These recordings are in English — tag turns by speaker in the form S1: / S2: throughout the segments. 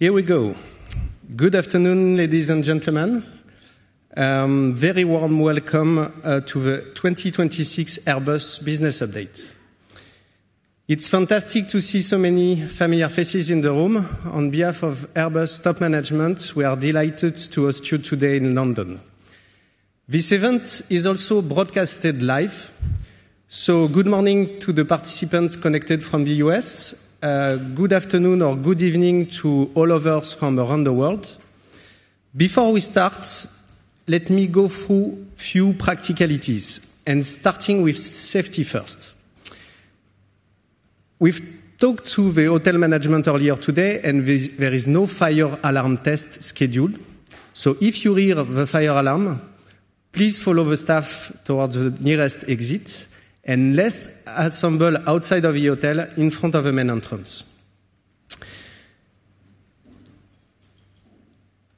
S1: Here we go. Good afternoon, ladies and gentlemen. Very warm welcome to the 2026 Airbus Business Update. It's fantastic to see so many familiar faces in the room. On behalf of Airbus top management, we are delighted to host you today in London. This event is also broadcasted live, good morning to the participants connected from the U.S. Good afternoon or good evening to all of us from around the world. Before we start, let me go through few practicalities, starting with safety first. We've talked to the hotel management earlier today. There is no fire alarm test scheduled. If you hear the fire alarm, please follow the staff towards the nearest exit. Let's assemble outside of the hotel in front of the main entrance.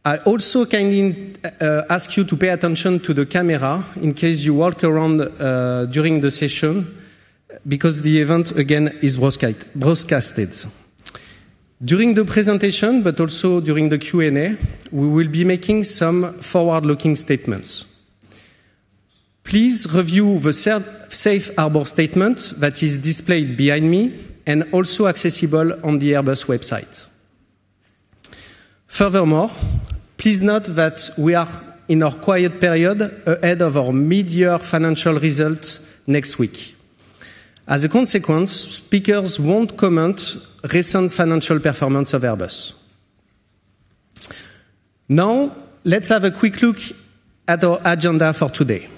S1: I also kindly ask you to pay attention to the camera in case you walk around during the session because the event, again, is broadcasted. During the presentation, also during the Q&A, we will be making some forward-looking statements. Please review the safe harbor statement that is displayed behind me and also accessible on the Airbus website. Furthermore, please note that we are in our quiet period ahead of our mid-year financial results next week. As a consequence, speakers won't comment recent financial performance of Airbus. Now let's have a quick look at our agenda for today.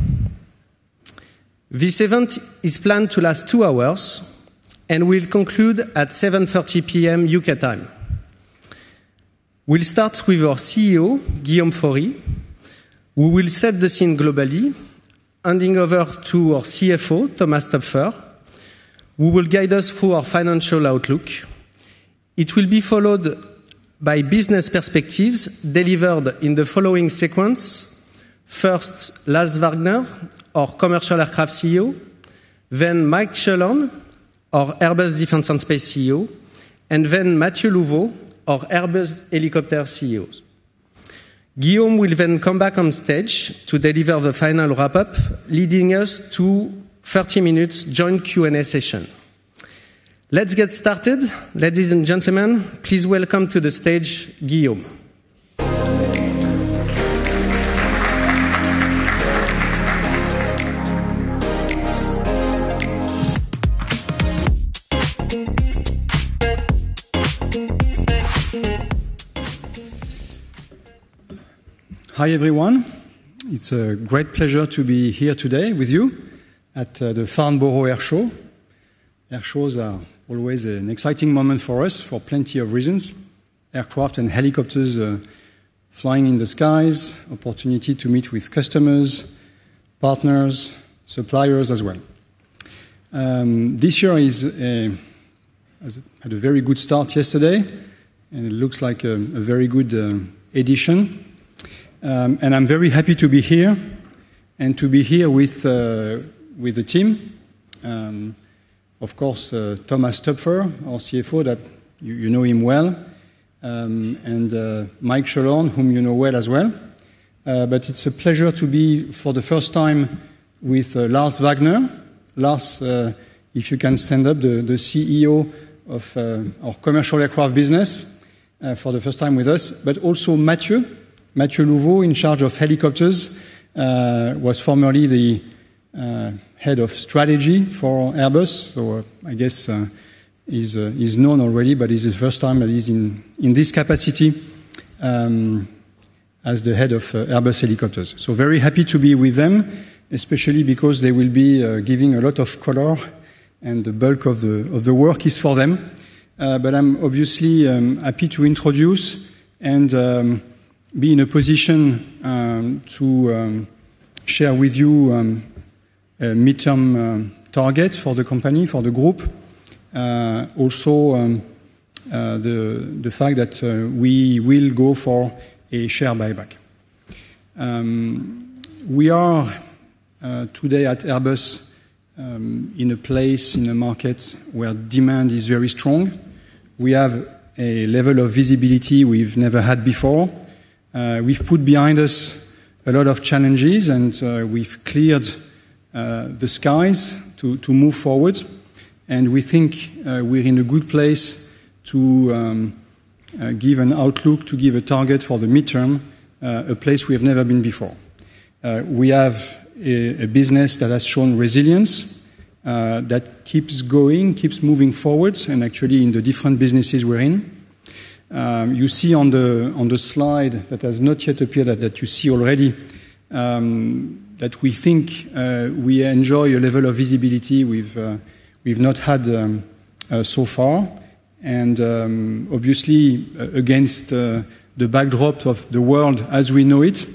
S1: This event is planned to last two hours and will conclude at 7:30 P.M. U.K. time. We'll start with our CEO, Guillaume Faury, who will set the scene globally, handing over to our CFO, Thomas Toepfer, who will guide us through our financial outlook. It will be followed by business perspectives delivered in the following sequence: first, Lars Wagner, our Commercial Aircraft CEO, Mike Schoellhorn, our Airbus Defence and Space CEO, Matthieu Louvot, our Airbus Helicopters CEO. Guillaume will come back on stage to deliver the final wrap-up, leading us to 30 minutes joint Q&A session. Let's get started. Ladies and gentlemen, please welcome to the stage Guillaume.
S2: Hi, everyone. It's a great pleasure to be here today with you at the Farnborough Airshow. Airshows are always an exciting moment for us for plenty of reasons. Aircraft and helicopters flying in the skies, opportunity to meet with customers, partners, suppliers as well. This year had a very good start yesterday. It looks like a very good edition. I'm very happy to be here and to be here with the team. Of course, Thomas Toepfer, our CFO, that you know him well. Mike Schoellhorn, whom you know well as well. It's a pleasure to be, for the first time, with Lars Wagner. Lars, if you can stand up, the CEO of Commercial Aircraft business for the first time with us, also Matthieu. Matthieu Louvot, in charge of Helicopters, was formerly the head of strategy for Airbus. I guess he's known already. It's his first time that he's in this capacity as the head of Airbus Helicopters. Very happy to be with them, especially because they will be giving a lot of color and the bulk of the work is for them. I'm obviously happy to introduce and be in a position to share with you a midterm target for the company, for the group. Also, the fact that we will go for a share buyback. We are today at Airbus in a place, in a market where demand is very strong. We have a level of visibility we've never had before. We've put behind us a lot of challenges, and we've cleared the skies to move forward. We think we're in a good place to give an outlook, to give a target for the midterm, a place we have never been before. We have a business that has shown resilience, that keeps going, keeps moving forwards, and actually in the different businesses we're in. You see on the slide that has not yet appeared, that you see already, that we think we enjoy a level of visibility we've not had so far. Obviously, against the backdrop of the world as we know it,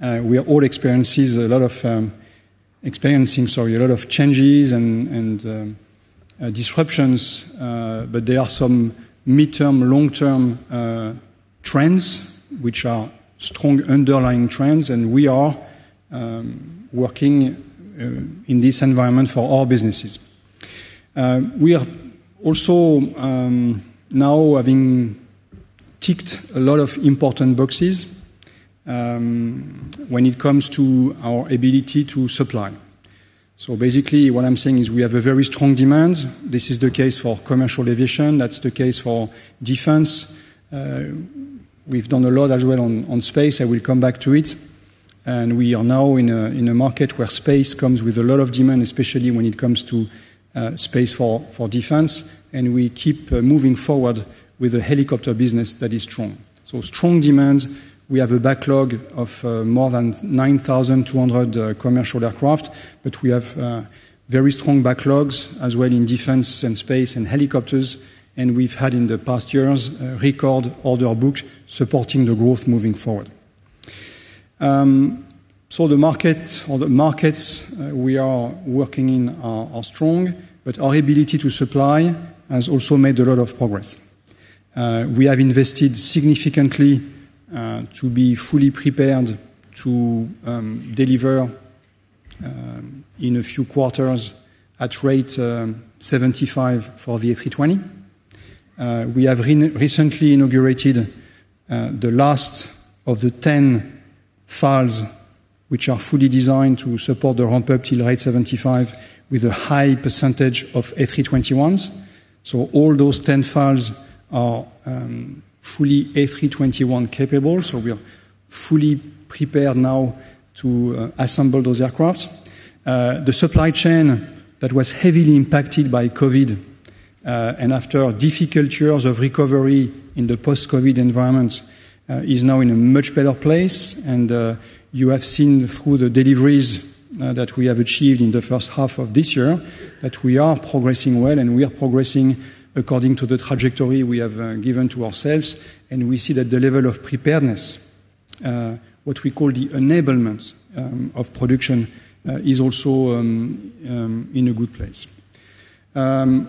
S2: we are all experiencing a lot of changes and disruptions, but there are some midterm, long-term trends, which are strong underlying trends. We are working in this environment for our businesses. We are also now having ticked a lot of important boxes when it comes to our ability to supply. Basically what I'm saying is we have a very strong demand. This is the case for commercial aviation, that's the case for Defence. We've done a lot as well on Space. I will come back to it. We are now in a market where Space comes with a lot of demand, especially when it comes to Space for Defence. We keep moving forward with a helicopter business that is strong. Strong demand. We have a backlog of more than 9,200 commercial aircraft, but we have very strong backlogs as well in Defence, and Space, and Helicopters. We've had, in the past years, record order books supporting the growth moving forward. The markets we are working in are strong, but our ability to supply has also made a lot of progress. We have invested significantly to be fully prepared to deliver in a few quarters at rate 75 for the A320. We have recently inaugurated the last of the 10 FALs which are fully designed to support the ramp up till rate 75 with a high percentage of A321s. All those 10 FALs are fully A321 capable. We are fully prepared now to assemble those aircrafts. The supply chain that was heavily impacted by COVID, and after difficult years of recovery in the post-COVID environment, is now in a much better place. You have seen through the deliveries that we have achieved in the first half of this year that we are progressing well, and we are progressing according to the trajectory we have given to ourselves. We see that the level of preparedness, what we call the enablement of production, is also in a good place.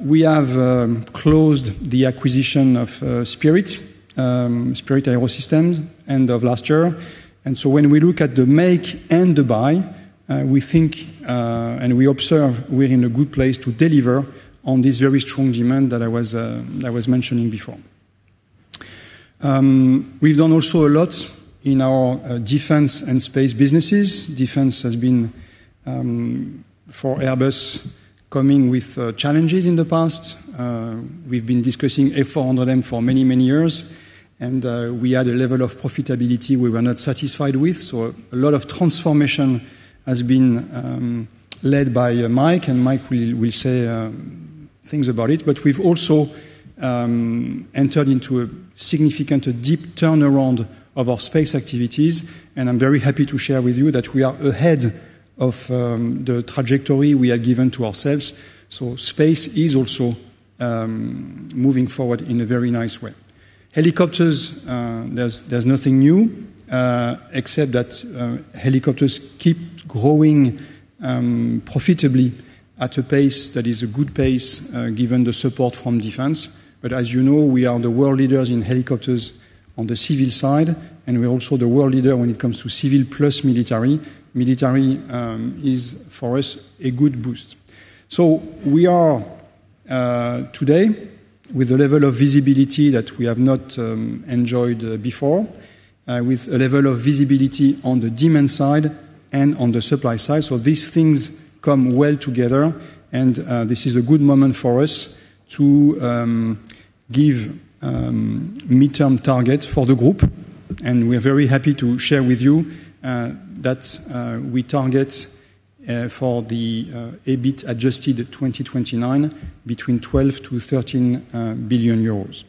S2: We have closed the acquisition of Spirit AeroSystems end of last year. When we look at the make and the buy, we think, and we observe we're in a good place to deliver on this very strong demand that I was mentioning before. We've done also a lot in our Defence and Space businesses. Defence has been, for Airbus, coming with challenges in the past. We've been discussing A400M for many, many years, and we had a level of profitability we were not satisfied with. A lot of transformation has been led by Mike, and Mike will say things about it. We've also entered into a significant, a deep turnaround of our Space activities, and I'm very happy to share with you that we are ahead of the trajectory we have given to ourselves. Space is also moving forward in a very nice way. Helicopters, there's nothing new except that Helicopters keep growing profitably at a pace that is a good pace given the support from Defence. As you know, we are the world leaders in helicopters on the civil side, and we're also the world leader when it comes to civil plus military. Military is, for us, a good boost. We are, today, with a level of visibility that we have not enjoyed before, with a level of visibility on the demand side and on the supply side. These things come well together, and this is a good moment for us to give midterm target for the group. We're very happy to share with you that we target for the EBIT Adjusted 2029 between 12 billion-13 billion euros.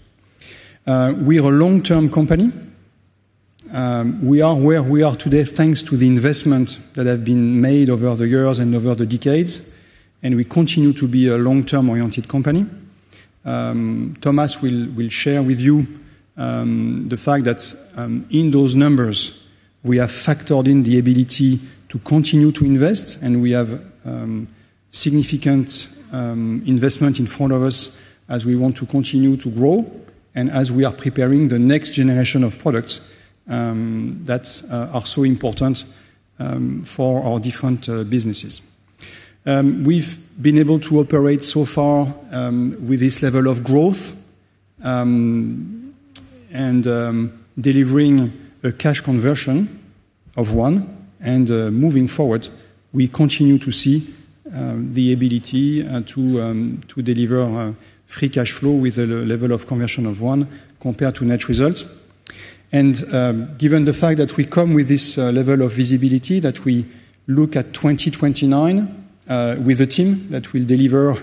S2: We are a long-term company. We are where we are today thanks to the investment that have been made over the years and over the decades, and we continue to be a long-term oriented company. Thomas will share with you the fact that in those numbers, we have factored in the ability to continue to invest, and we have significant investment in front of us as we want to continue to grow and as we are preparing the next generation of products that are so important for our different businesses. We've been able to operate so far with this level of growth, delivering a cash conversion of one, moving forward, we continue to see the ability to deliver free cash flow with a level of conversion of one compared to net results. Given the fact that we come with this level of visibility, that we look at 2029 with a team that will deliver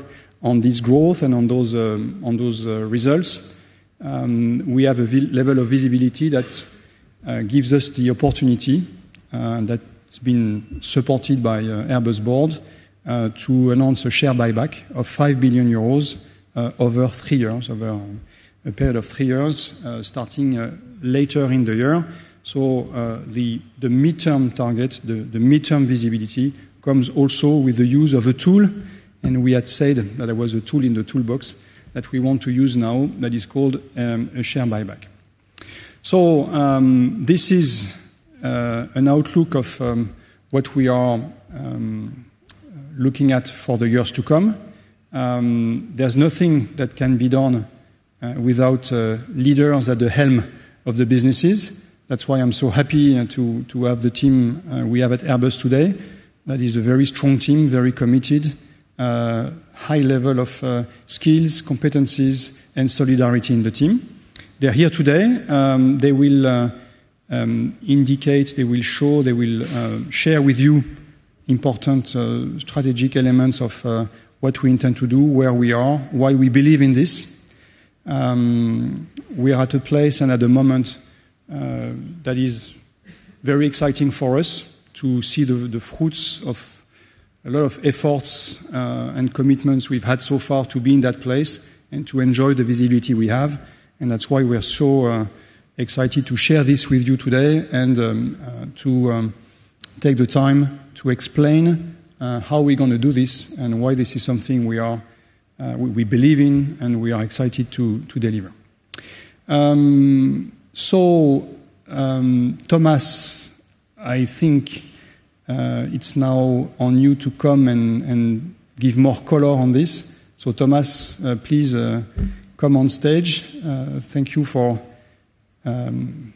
S2: on this growth and on those results, we have a level of visibility that gives us the opportunity that's been supported by Airbus Board to announce a share buyback of 5 billion euros over a period of three years, starting later in the year. The midterm target, the midterm visibility comes also with the use of a tool, and we had said that there was a tool in the toolbox that we want to use now that is called a share buyback. This is an outlook of what we are looking at for the years to come. There's nothing that can be done without leaders at the helm of the businesses. That's why I'm so happy to have the team we have at Airbus today. That is a very strong team, very committed, high level of skills, competencies, and solidarity in the team. They're here today. They will indicate, they will show, they will share with you important strategic elements of what we intend to do, where we are, why we believe in this. We are at a place and at a moment that is very exciting for us to see the fruits of a lot of efforts and commitments we've had so far to be in that place and to enjoy the visibility we have. That's why we're so excited to share this with you today and to take the time to explain how we're going to do this and why this is something we believe in and we are excited to deliver. Thomas, I think it's now on you to come and give more color on this. Thomas, please come on stage. Thank you for coming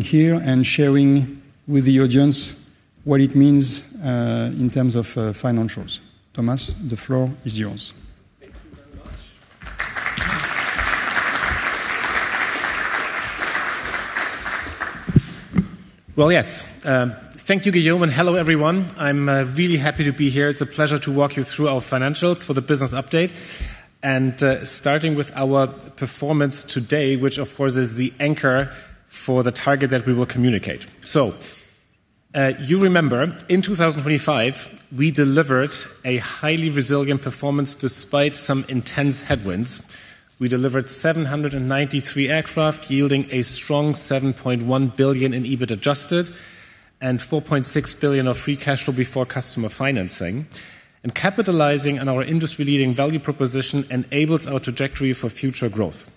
S2: here and sharing with the audience what it means, in terms of financials. Thomas, the floor is yours.
S3: Thank you very much. Well, yes. Thank you, Guillaume, and hello, everyone. I'm really happy to be here. It's a pleasure to walk you through our financials for the business update and starting with our performance today, which of course is the anchor for the target that we will communicate. You remember in 2025, we delivered a highly resilient performance despite some intense headwinds. We delivered 793 aircraft yielding a strong 7.1 billion in EBIT Adjusted and 4.6 billion of free cash flow before customer financing. Capitalizing on our industry-leading value proposition enables our trajectory for future growth.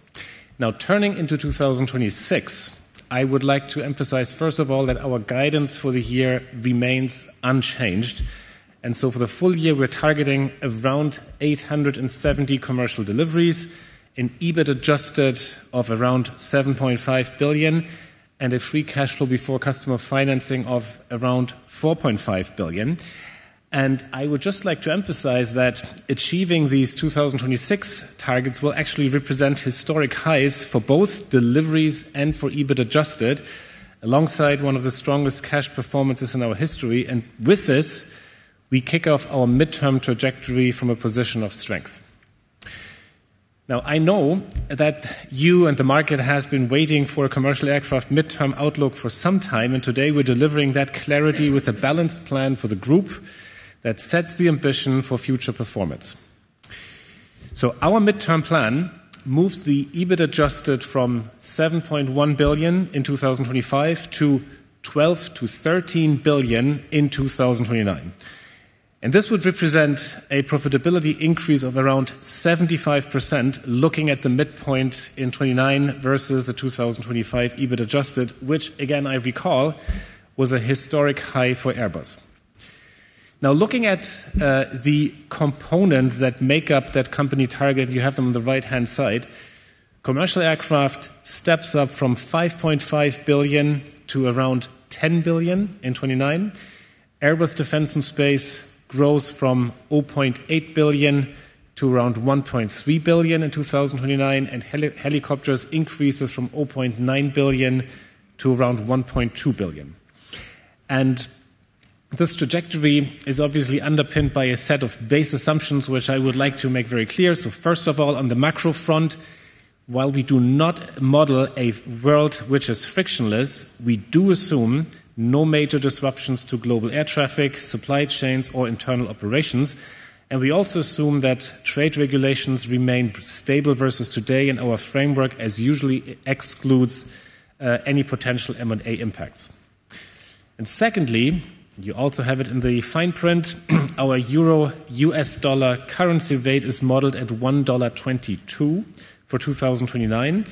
S3: Now turning into 2026, I would like to emphasize first of all, that our guidance for the year remains unchanged. For the full year, we're targeting around 870 commercial deliveries, an EBIT Adjusted of around 7.5 billion and a free cash flow before customer financing of around 4.5 billion. I would just like to emphasize that achieving these 2026 targets will actually represent historic highs for both deliveries and for EBIT Adjusted alongside one of the strongest cash performances in our history. With this, we kick off our midterm trajectory from a position of strength. Now, I know that you and the market has been waiting for a commercial aircraft midterm outlook for some time, and today we're delivering that clarity with a balanced plan for the group that sets the ambition for future performance. Our midterm plan moves the EBIT Adjusted from 7.1 billion in 2025 to 12 billion-13 billion in 2029. This would represent a profitability increase of around 75% looking at the midpoint in 2029 versus the 2025 EBIT Adjusted, which again, I recall was a historic high for Airbus. Looking at the components that make up that company target, you have them on the right-hand side. Commercial Aircraft steps up from 5.5 billion to around 10 billion in 2029. Airbus Defence and Space grows from 0.8 billion to around 1.3 billion in 2029, and Helicopters increases from 0.9 billion to around 1.2 billion. This trajectory is obviously underpinned by a set of base assumptions, which I would like to make very clear. First of all, on the macro front, while we do not model a world which is frictionless, we do assume no major disruptions to global air traffic, supply chains or internal operations. We also assume that trade regulations remain stable versus today in our framework as usually excludes any potential M&A impacts. Secondly, you also have it in the fine print, our euro-US dollar currency rate is modeled at $1.22 for 2029.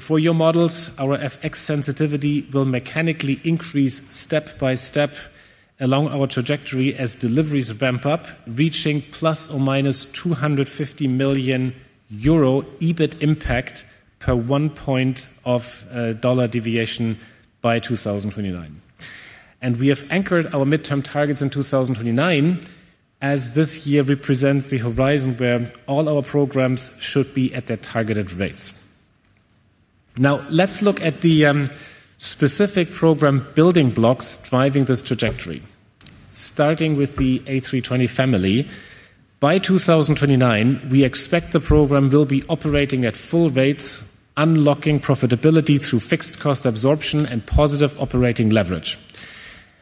S3: For your models, our FX sensitivity will mechanically increase step by step along our trajectory as deliveries ramp up, reaching ± 250 million euro EBIT impact per one point of dollar deviation by 2029. We have anchored our midterm targets in 2029 as this year represents the horizon where all our programs should be at their targeted rates. Let's look at the specific program building blocks driving this trajectory, starting with the A320 family. By 2029, we expect the program will be operating at full rates, unlocking profitability through fixed cost absorption and positive operating leverage.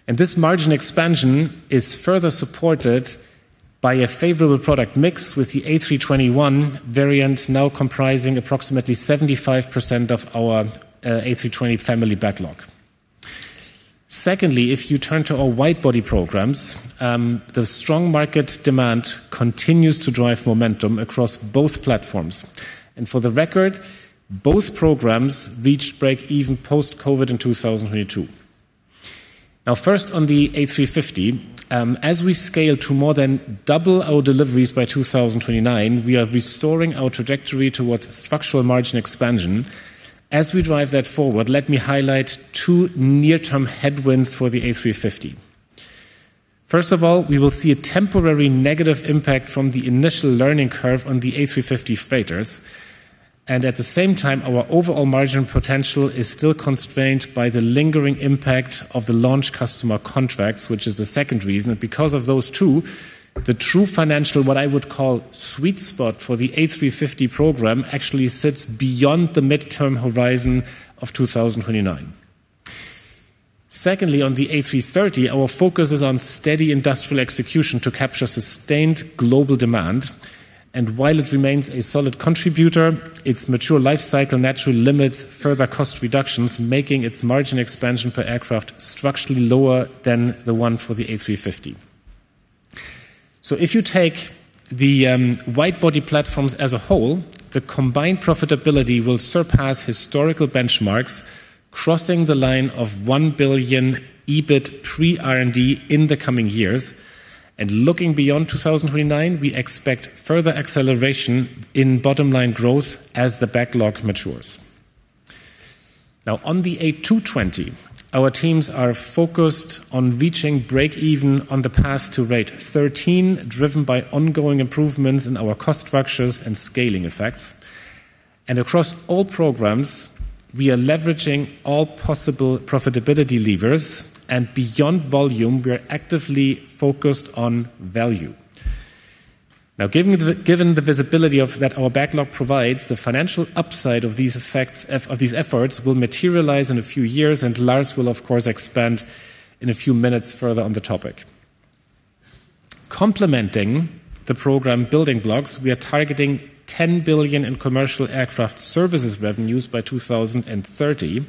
S3: This margin expansion is further supported by a favorable product mix with the A321 variant now comprising approximately 75% of our A320 family backlog. Secondly, if you turn to our wide-body programs, the strong market demand continues to drive momentum across both platforms. For the record, both programs reached break even post-COVID in 2022. First on the A350, as we scale to more than double our deliveries by 2029, we are restoring our trajectory towards structural margin expansion. As we drive that forward, let me highlight two near-term headwinds for the A350. First of all, we will see a temporary negative impact from the initial learning curve on the A350 freighters. At the same time, our overall margin potential is still constrained by the lingering impact of the launch customer contracts, which is the second reason. Because of those two, the true financial, what I would call sweet spot for the A350 program, actually sits beyond the midterm horizon of 2029. Secondly, on the A330, our focus is on steady industrial execution to capture sustained global demand. While it remains a solid contributor, its mature life cycle naturally limits further cost reductions, making its margin expansion per aircraft structurally lower than the one for the A350. If you take the wide-body platforms as a whole, the combined profitability will surpass historical benchmarks, crossing the line of 1 billion EBIT pre-R&D in the coming years. Looking beyond 2029, we expect further acceleration in bottom-line growth as the backlog matures. On the A220, our teams are focused on reaching break-even on the path to rate 13, driven by ongoing improvements in our cost structures and scaling effects. Across all programs, we are leveraging all possible profitability levers, and beyond volume, we are actively focused on value. Given the visibility that our backlog provides, the financial upside of these efforts will materialize in a few years, and Lars will, of course, expand in a few minutes further on the topic. Complementing the program building blocks, we are targeting 10 billion in commercial aircraft services revenues by 2030.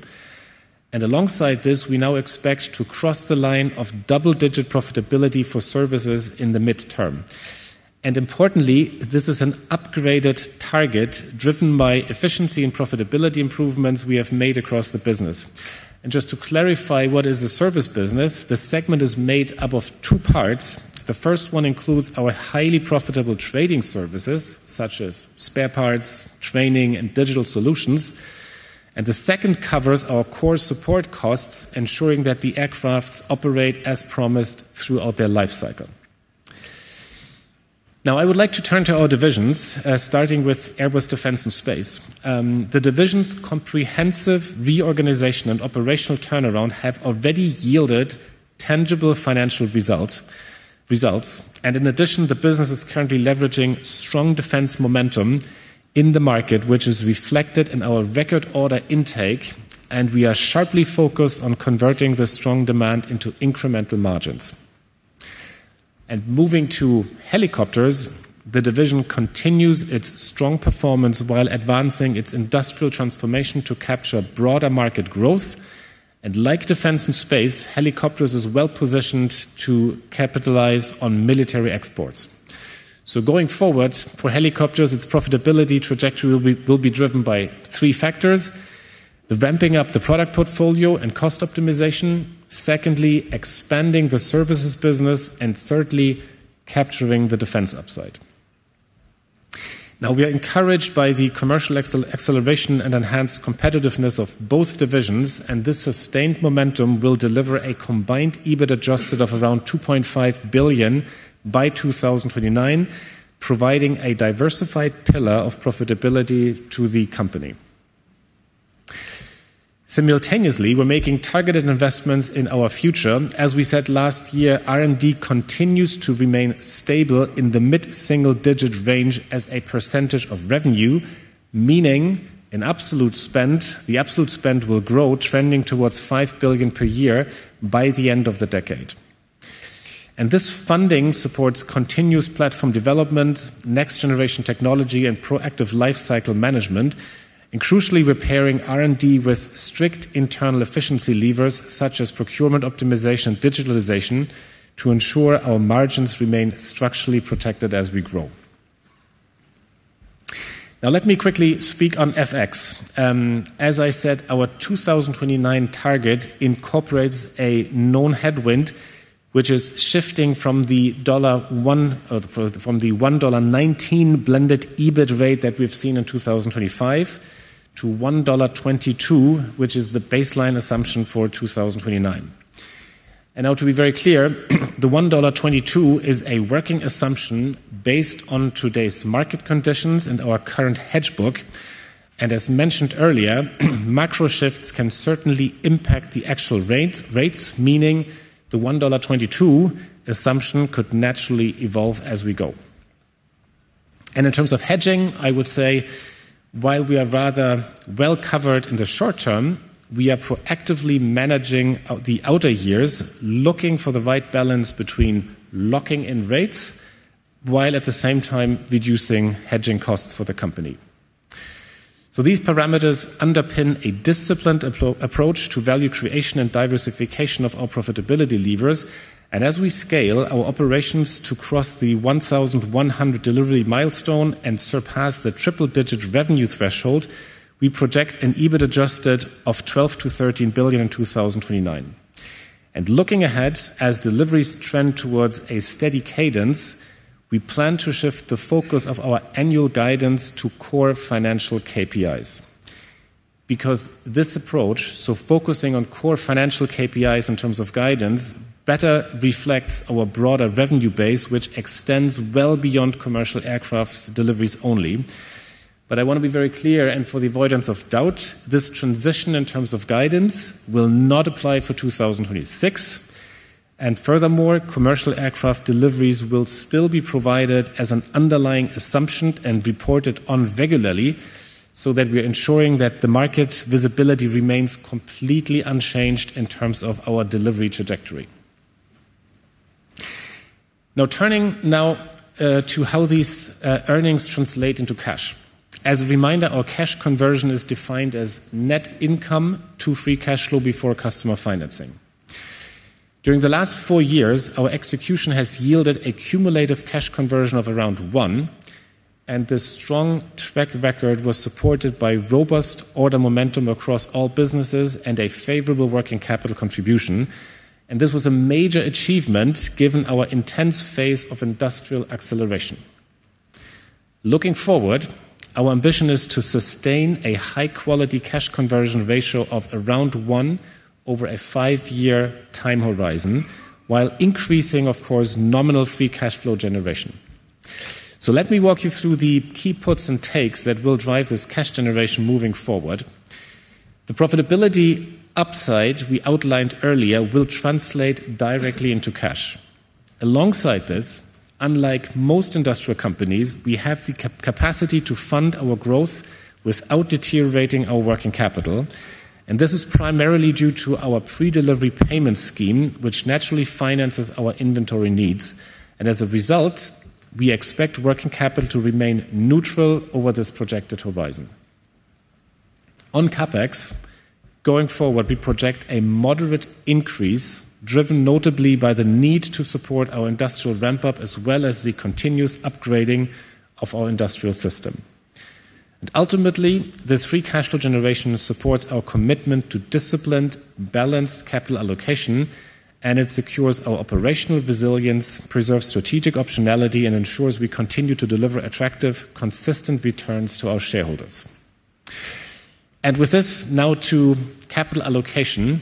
S3: Alongside this, we now expect to cross the line of double-digit profitability for services in the midterm. Importantly, this is an upgraded target driven by efficiency and profitability improvements we have made across the business. Just to clarify what is the services business, the segment is made up of two parts. The first one includes our highly profitable trading services, such as spare parts, training, and digital solutions. The second covers our core support costs, ensuring that the aircraft operate as promised throughout their life cycle. I would like to turn to our divisions, starting with Airbus Defence and Space. The division's comprehensive reorganization and operational turnaround have already yielded tangible financial results. In addition, the business is currently leveraging strong Defence momentum in the market, which is reflected in our record order intake, and we are sharply focused on converting the strong demand into incremental margins. Moving to Helicopters, the division continues its strong performance while advancing its industrial transformation to capture broader market growth. Like Defence and Space, Helicopters is well-positioned to capitalize on military exports. Going forward, for Helicopters, its profitability trajectory will be driven by three factors, the ramping up the product portfolio and cost optimization, secondly, expanding the services business, and thirdly, capturing the Defence upside. We are encouraged by the commercial acceleration and enhanced competitiveness of both divisions, and this sustained momentum will deliver a combined EBIT Adjusted of around 2.5 billion by 2029, providing a diversified pillar of profitability to the company. Simultaneously, we are making targeted investments in our future. As we said last year, R&D continues to remain stable in the mid-single-digit range as a percentage of revenue, meaning the absolute spend will grow, trending towards 5 billion per year by the end of the decade. This funding supports continuous platform development, next-generation technology, and proactive life cycle management. Crucially, we are pairing R&D with strict internal efficiency levers, such as procurement optimization and digitalization, to ensure our margins remain structurally protected as we grow. Let me quickly speak on FX. As I said, our 2029 target incorporates a known headwind, which is shifting from the $1.19 blended EBIT rate that we have seen in 2025 to $1.22, which is the baseline assumption for 2029. To be very clear, the $1.22 is a working assumption based on today's market conditions and our current hedge book. As mentioned earlier, macro shifts can certainly impact the actual rates, meaning the $1.22 assumption could naturally evolve as we go. In terms of hedging, I would say while we are rather well covered in the short term, we are proactively managing the outer years, looking for the right balance between locking in rates while at the same time reducing hedging costs for the company. These parameters underpin a disciplined approach to value creation and diversification of our profitability levers. As we scale our operations to cross the 1,100 delivery milestone and surpass the triple-digit revenue threshold, we project an EBIT Adjusted of 12 billion-13 billion in 2029. Looking ahead, as deliveries trend towards a steady cadence, we plan to shift the focus of our annual guidance to core financial KPIs. This approach, so focusing on core financial KPIs in terms of guidance, better reflects our broader revenue base, which extends well beyond commercial aircraft deliveries only. I want to be very clear, and for the avoidance of doubt, this transition in terms of guidance will not apply for 2026. Furthermore, commercial aircraft deliveries will still be provided as an underlying assumption and reported on regularly, so that we are ensuring that the market visibility remains completely unchanged in terms of our delivery trajectory. Turning now to how these earnings translate into cash. As a reminder, our cash conversion is defined as net income to free cash flow before customer financing. During the last four years, our execution has yielded a cumulative cash conversion of around 1x, this strong track record was supported by robust order momentum across all businesses and a favorable working capital contribution. This was a major achievement given our intense phase of industrial acceleration. Looking forward, our ambition is to sustain a high-quality cash conversion ratio of around 1x over a five-year time horizon, while increasing, of course, nominal free cash flow generation. Let me walk you through the key puts and takes that will drive this cash generation moving forward. The profitability upside we outlined earlier will translate directly into cash. Alongside this, unlike most industrial companies, we have the capacity to fund our growth without deteriorating our working capital, and this is primarily due to our predelivery payment scheme, which naturally finances our inventory needs. As a result, we expect working capital to remain neutral over this projected horizon. On CapEx, going forward, we project a moderate increase, driven notably by the need to support our industrial ramp-up as well as the continuous upgrading of our industrial system. Ultimately, this free cash flow generation supports our commitment to disciplined, balanced capital allocation, and it secures our operational resilience, preserves strategic optionality, and ensures we continue to deliver attractive, consistent returns to our shareholders. With this now to capital allocation,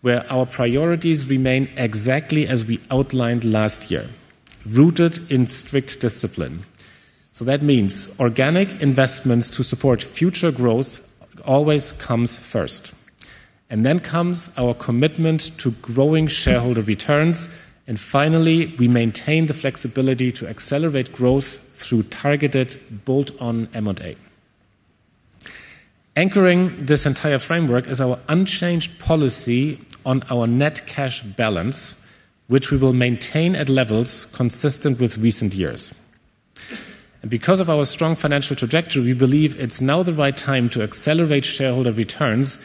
S3: where our priorities remain exactly as we outlined last year, rooted in strict discipline. That means organic investments to support future growth always comes first. Then comes our commitment to growing shareholder returns. Finally, we maintain the flexibility to accelerate growth through targeted bolt-on M&A. Anchoring this entire framework is our unchanged policy on our net cash balance, which we will maintain at levels consistent with recent years. Because of our strong financial trajectory, we believe it's now the right time to accelerate shareholder returns.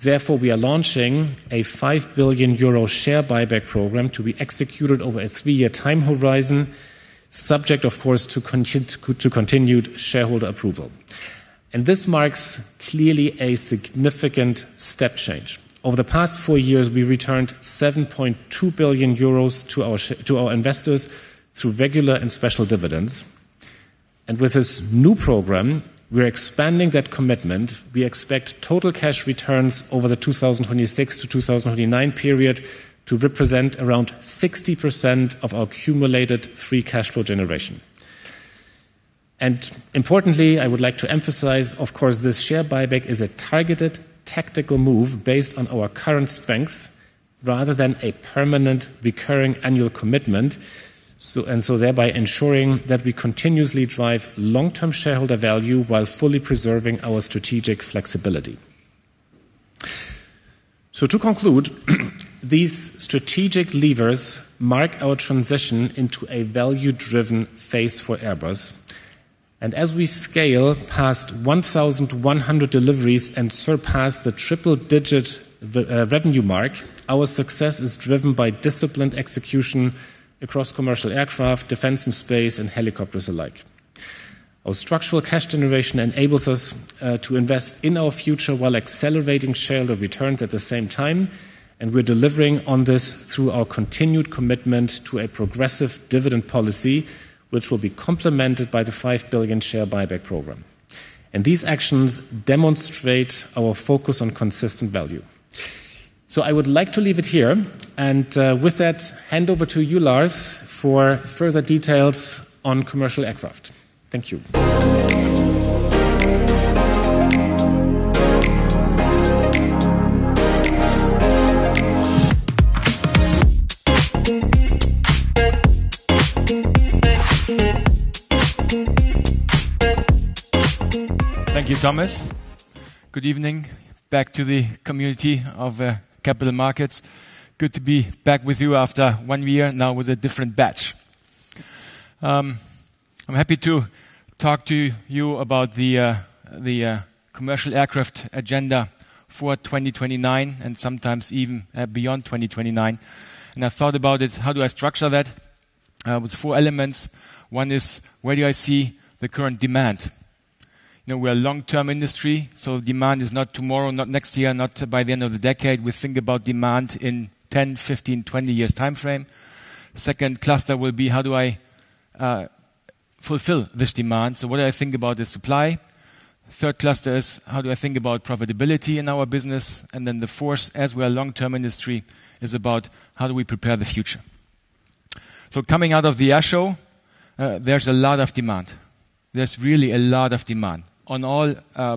S3: Therefore, we are launching a 5 billion euro share buyback program to be executed over a three-year time horizon, subject of course, to continued shareholder approval. This marks clearly a significant step change. Over the past four years, we returned 7.2 billion euros to our investors through regular and special dividends. With this new program, we're expanding that commitment. We expect total cash returns over the 2026-2029 period to represent around 60% of our cumulative free cash flow generation. Importantly, I would like to emphasize, of course, this share buyback is a targeted tactical move based on our current strength rather than a permanent recurring annual commitment. Thereby ensuring that we continuously drive long-term shareholder value while fully preserving our strategic flexibility. To conclude, these strategic levers mark our transition into a value-driven phase for Airbus. As we scale past 1,100 deliveries and surpass the triple-digit revenue mark, our success is driven by disciplined execution across Commercial Aircraft, Defence and Space, and Helicopters alike. Our structural cash generation enables us to invest in our future while accelerating shareholder returns at the same time, and we're delivering on this through our continued commitment to a progressive dividend policy, which will be complemented by the 5 billion share buyback program. These actions demonstrate our focus on consistent value. I would like to leave it here, and with that, hand over to you, Lars, for further details on commercial aircraft. Thank you.
S4: Thank you, Thomas. Good evening. Back to the community of capital markets. Good to be back with you after one year, now with a different batch I'm happy to talk to you about the Commercial Aircraft agenda for 2029, and sometimes even beyond 2029. I thought about it, how do I structure that? With four elements. One is, where do I see the current demand? We're a long-term industry, so demand is not tomorrow, not next year, not by the end of the decade. We think about demand in 10, 15, 20 years timeframe. Second cluster will be, how do I fulfill this demand? What do I think about the supply? Third cluster is how do I think about profitability in our business? Then the fourth, as we are a long-term industry, is about how do we prepare the future? Coming out of the Airshow, there's a lot of demand. There's really a lot of demand on all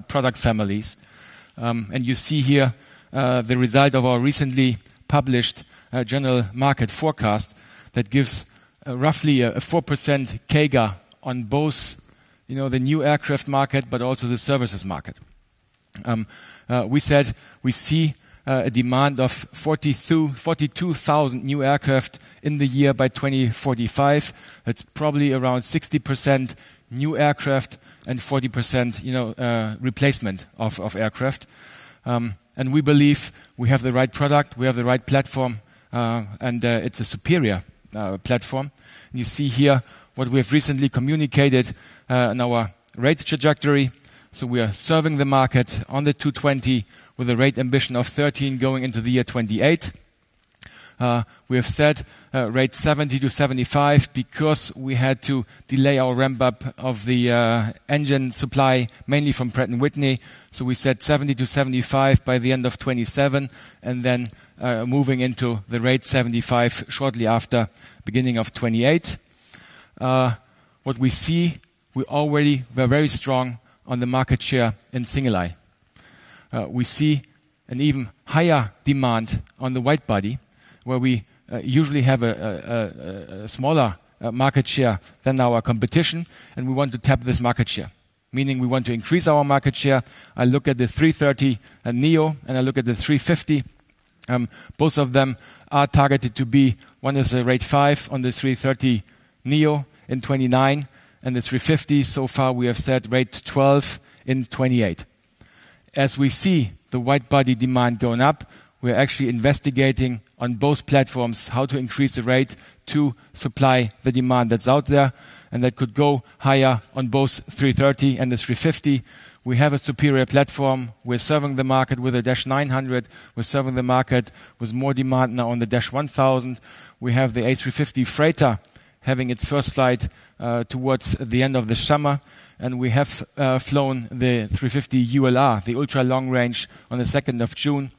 S4: product families. You see here the result of our recently published general market forecast that gives roughly a 4% CAGR on both the new aircraft market, but also the services market. We said we see a demand of 42,000 new aircraft in the year by 2045. That's probably around 60% new aircraft and 40% replacement of aircraft. We believe we have the right product, we have the right platform, and it's a superior platform. You see here what we have recently communicated in our rate trajectory. We are serving the market on the A220 with a rate ambition of 13 going into the year 2028. We have set rate 70-75 because we had to delay our ramp-up of the engine supply, mainly from Pratt & Whitney. We set 70-75 by the end of 2027, then moving into the rate 75 shortly after beginning of 2028. We see, we're very strong on the market share in single-aisle. We see an even higher demand on the wide-body, where we usually have a smaller market share than our competition, we want to tap this market share, meaning we want to increase our market share. I look at the A330neo, I look at the A350. Both of them are targeted to be, one is a rate 5 on the A330neo in 2029, the A350, so far, we have set rate 12 in 2028. We see the wide-body demand going up, we're actually investigating on both platforms how to increase the rate to supply the demand that's out there. That could go higher on both A330 and the A350. We have a superior platform. We're serving the market with a -900. We're serving the market with more demand now on the -1000. We have the A350 freighter having its first flight towards the end of the summer, we have flown the A350-900ULR, the ultra-long range, on the 2nd of June.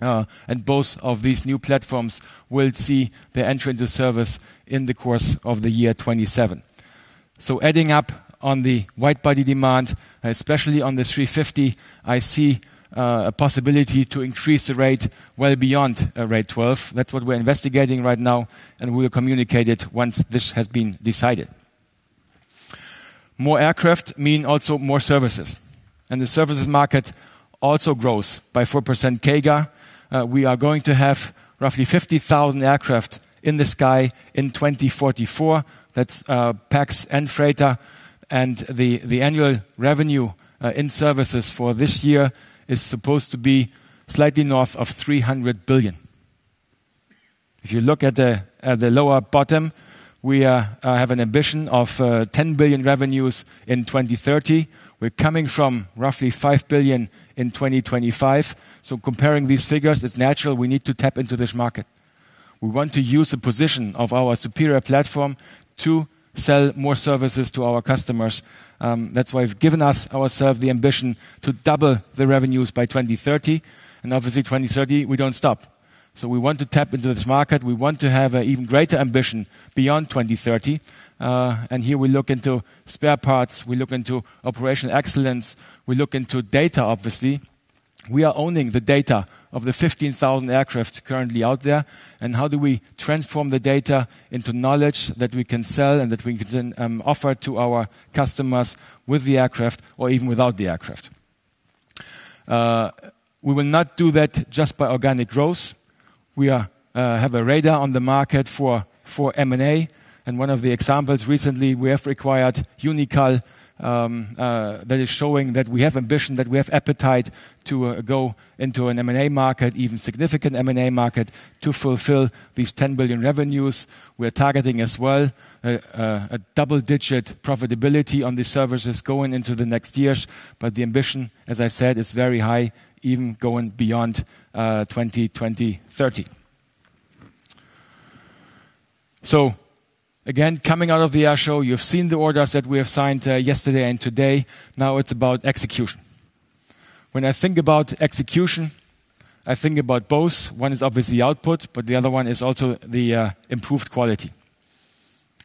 S4: Both of these new platforms will see their entry into service in the course of 2027. Adding up on the wide-body demand, especially on the A350, I see a possibility to increase the rate well beyond rate 12. That's what we're investigating right now, we'll communicate it once this has been decided. More aircraft mean also more services, the services market also grows by 4% CAGR. We are going to have roughly 50,000 aircraft in the sky in 2044. That's Pax and freighter. The annual revenue in services for this year is supposed to be slightly north of 300 billion. If you look at the lower bottom, we have an ambition of 10 billion revenues in 2030. We're coming from roughly 5 billion in 2025. Comparing these figures, it's natural we need to tap into this market. We want to use the position of our superior platform to sell more services to our customers. That's why we've given ourselves the ambition to double the revenues by 2030. Obviously, 2030, we don't stop. We want to tap into this market. We want to have an even greater ambition beyond 2030. Here we look into spare parts. We look into operational excellence. We look into data, obviously. We are owning the data of the 15,000 aircraft currently out there, how do we transform the data into knowledge that we can sell that we can then offer to our customers with the aircraft or even without the aircraft? We will not do that just by organic growth. We have a radar on the market for M&A, one of the examples recently, we have acquired Unical. That is showing that we have ambition, that we have appetite to go into an M&A market, even significant M&A market, to fulfill these 10 billion revenues. We're targeting as well a double-digit profitability on these services going into the next years. The ambition, as I said, is very high, even going beyond 2030. Again, coming out of the Airshow, you've seen the orders that we have signed yesterday and today. It's about execution. When I think about execution, I think about both. One is obviously output, but the other one is also the improved quality.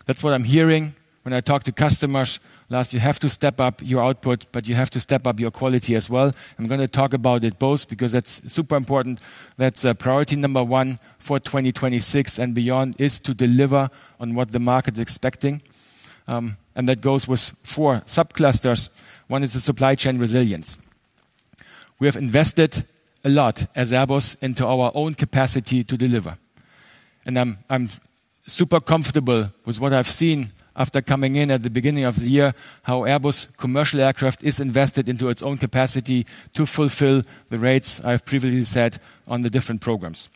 S4: That's what I'm hearing when I talk to customers. Last, you have to step up your output, but you have to step up your quality as well. I'm going to talk about it both because that's super important. That's priority number one for 2026 and beyond is to deliver on what the market's expecting. That goes with four subclusters. One is the supply chain resilience. We have invested a lot as Airbus into our own capacity to deliver. I'm super comfortable with what I've seen after coming in at the beginning of the year, how Airbus Commercial Aircraft is invested into its own capacity to fulfill the rates I've previously said on the different programs.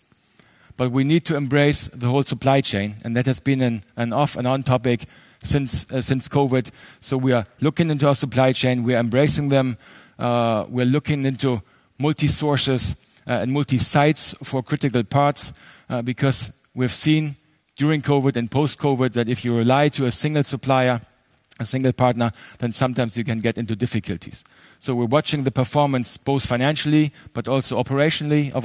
S4: We need to embrace the whole supply chain, and that has been an off and on topic since COVID. We are looking into our supply chain. We are embracing them. We're looking into multi sources, and multi-sites for critical parts, because we've seen during COVID and post-COVID, that if you rely to a single supplier, a single partner, then sometimes you can get into difficulties. We're watching the performance, both financially, but also operationally of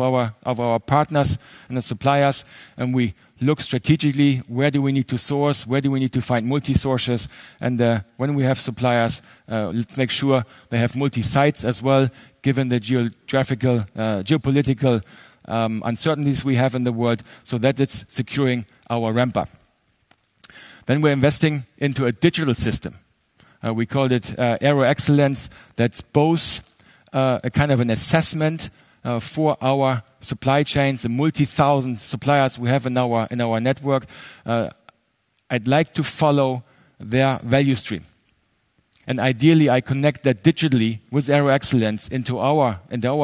S4: our partners and the suppliers. We look strategically where do we need to source, where do we need to find multi sources, and when we have suppliers, let's make sure they have multi-sites as well, given the geopolitical uncertainties we have in the world, so that it's securing our ramp up. We're investing into a digital system. We called it Aero Excellence. That's both a kind of an assessment for our supply chains and multi-thousand suppliers we have in our network. I'd like to follow their value stream. Ideally, I connect that digitally with Aero Excellence into our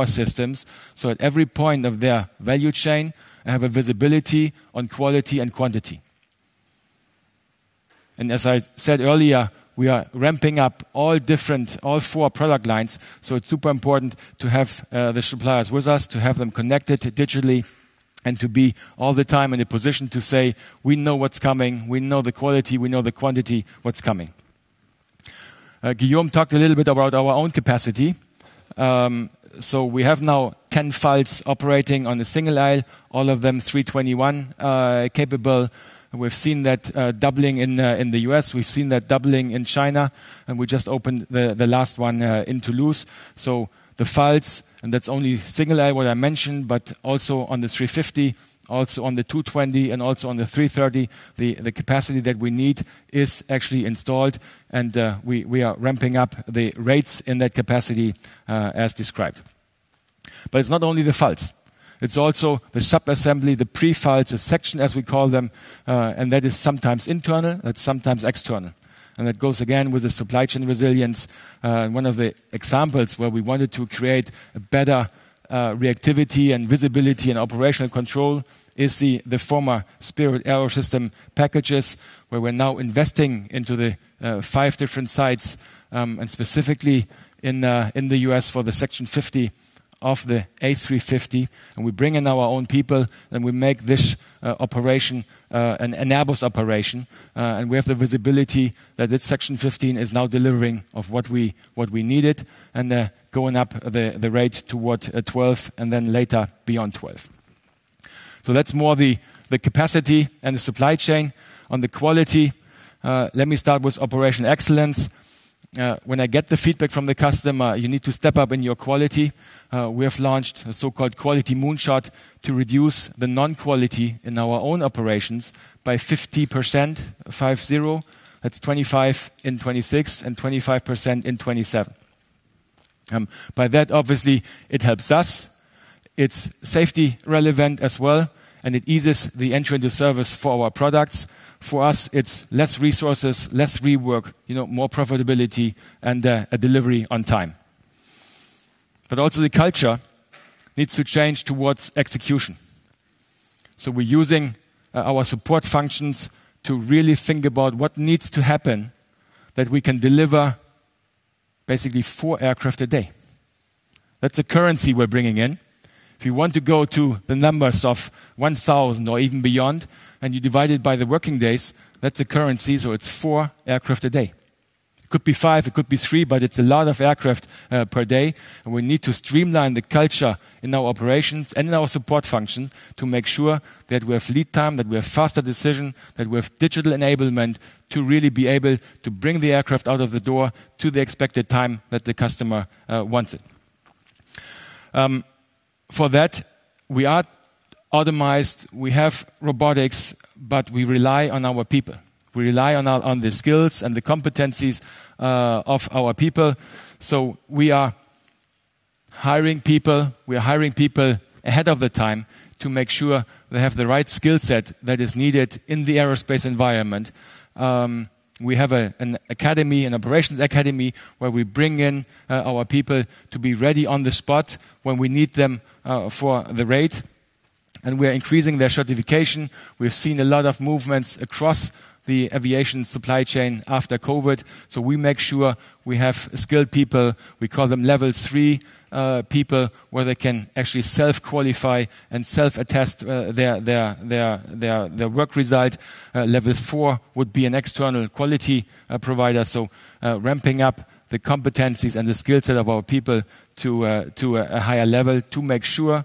S4: systems, so at every point of their value chain, I have a visibility on quality and quantity. As I said earlier, we are ramping up all four product lines, so it's super important to have the suppliers with us, to have them connected digitally, and to be all the time in a position to say, "We know what's coming. We know the quality, we know the quantity, what's coming." Guillaume talked a little bit about our own capacity. We have now 10 FALs operating on a single aisle, all of them A321 capable. We've seen that doubling in the U.S. We've seen that doubling in China. We just opened the last one in Toulouse. The FALs, and that's only single aisle what I mentioned, but also on the A350, also on the A220, and also on the A330. The capacity that we need is actually installed and we are ramping up the rates in that capacity as described. It's not only the FALs. It's also the sub-assembly, the pre-files, the section as we call them. That is sometimes internal, that's sometimes external. That goes again with the supply chain resilience. One of the examples where we wanted to create a better reactivity and visibility and operational control is the former Spirit AeroSystems packages, where we're now investing into the five different sites, and specifically in the U.S. for the section 50 of the A350. We bring in our own people, and we make this operation an Airbus operation. We have the visibility that this section 15 is now delivering of what we needed, and going up the rate toward 12, and then later beyond 12. That's more the capacity and the supply chain. On the quality, let me start with operation excellence. When I get the feedback from the customer, you need to step up in your quality. We have launched a so-called quality moonshot to reduce the non-quality in our own operations by 50%, five zero. That's 25% in 2026 and 25% in 2027. That, obviously, helps us. It's safety relevant as well, and it eases the entry into service for our products. For us, it's less resources, less rework, more profitability, and a delivery on time. Also, the culture needs to change towards execution. We're using our support functions to really think about what needs to happen that we can deliver basically four aircraft a day. That's a currency we're bringing in. If you want to go to the numbers of 1,000 or even beyond, and you divide it by the working days, that's a currency, so it's four aircraft a day. It could be five, it could be three, but it's a lot of aircraft per day. We need to streamline the culture in our operations and in our support functions to make sure that we have lead time, that we have faster decision, that we have digital enablement to really be able to bring the aircraft out of the door to the expected time that the customer wants it. For that, we are automized. We have robotics, but we rely on our people. We rely on the skills and the competencies of our people. We are hiring people. We are hiring people ahead of the time to make sure they have the right skill set that is needed in the aerospace environment. We have an academy, an operations academy, where we bring in our people to be ready on the spot when we need them for the rate. We are increasing their certification. We've seen a lot of movements across the aviation supply chain after COVID. We make sure we have skilled people. We call them Level 3 people, where they can actually self-qualify and self-attest their work reside. Level 4 would be an external quality provider. Ramping up the competencies and the skill set of our people to a higher level to make sure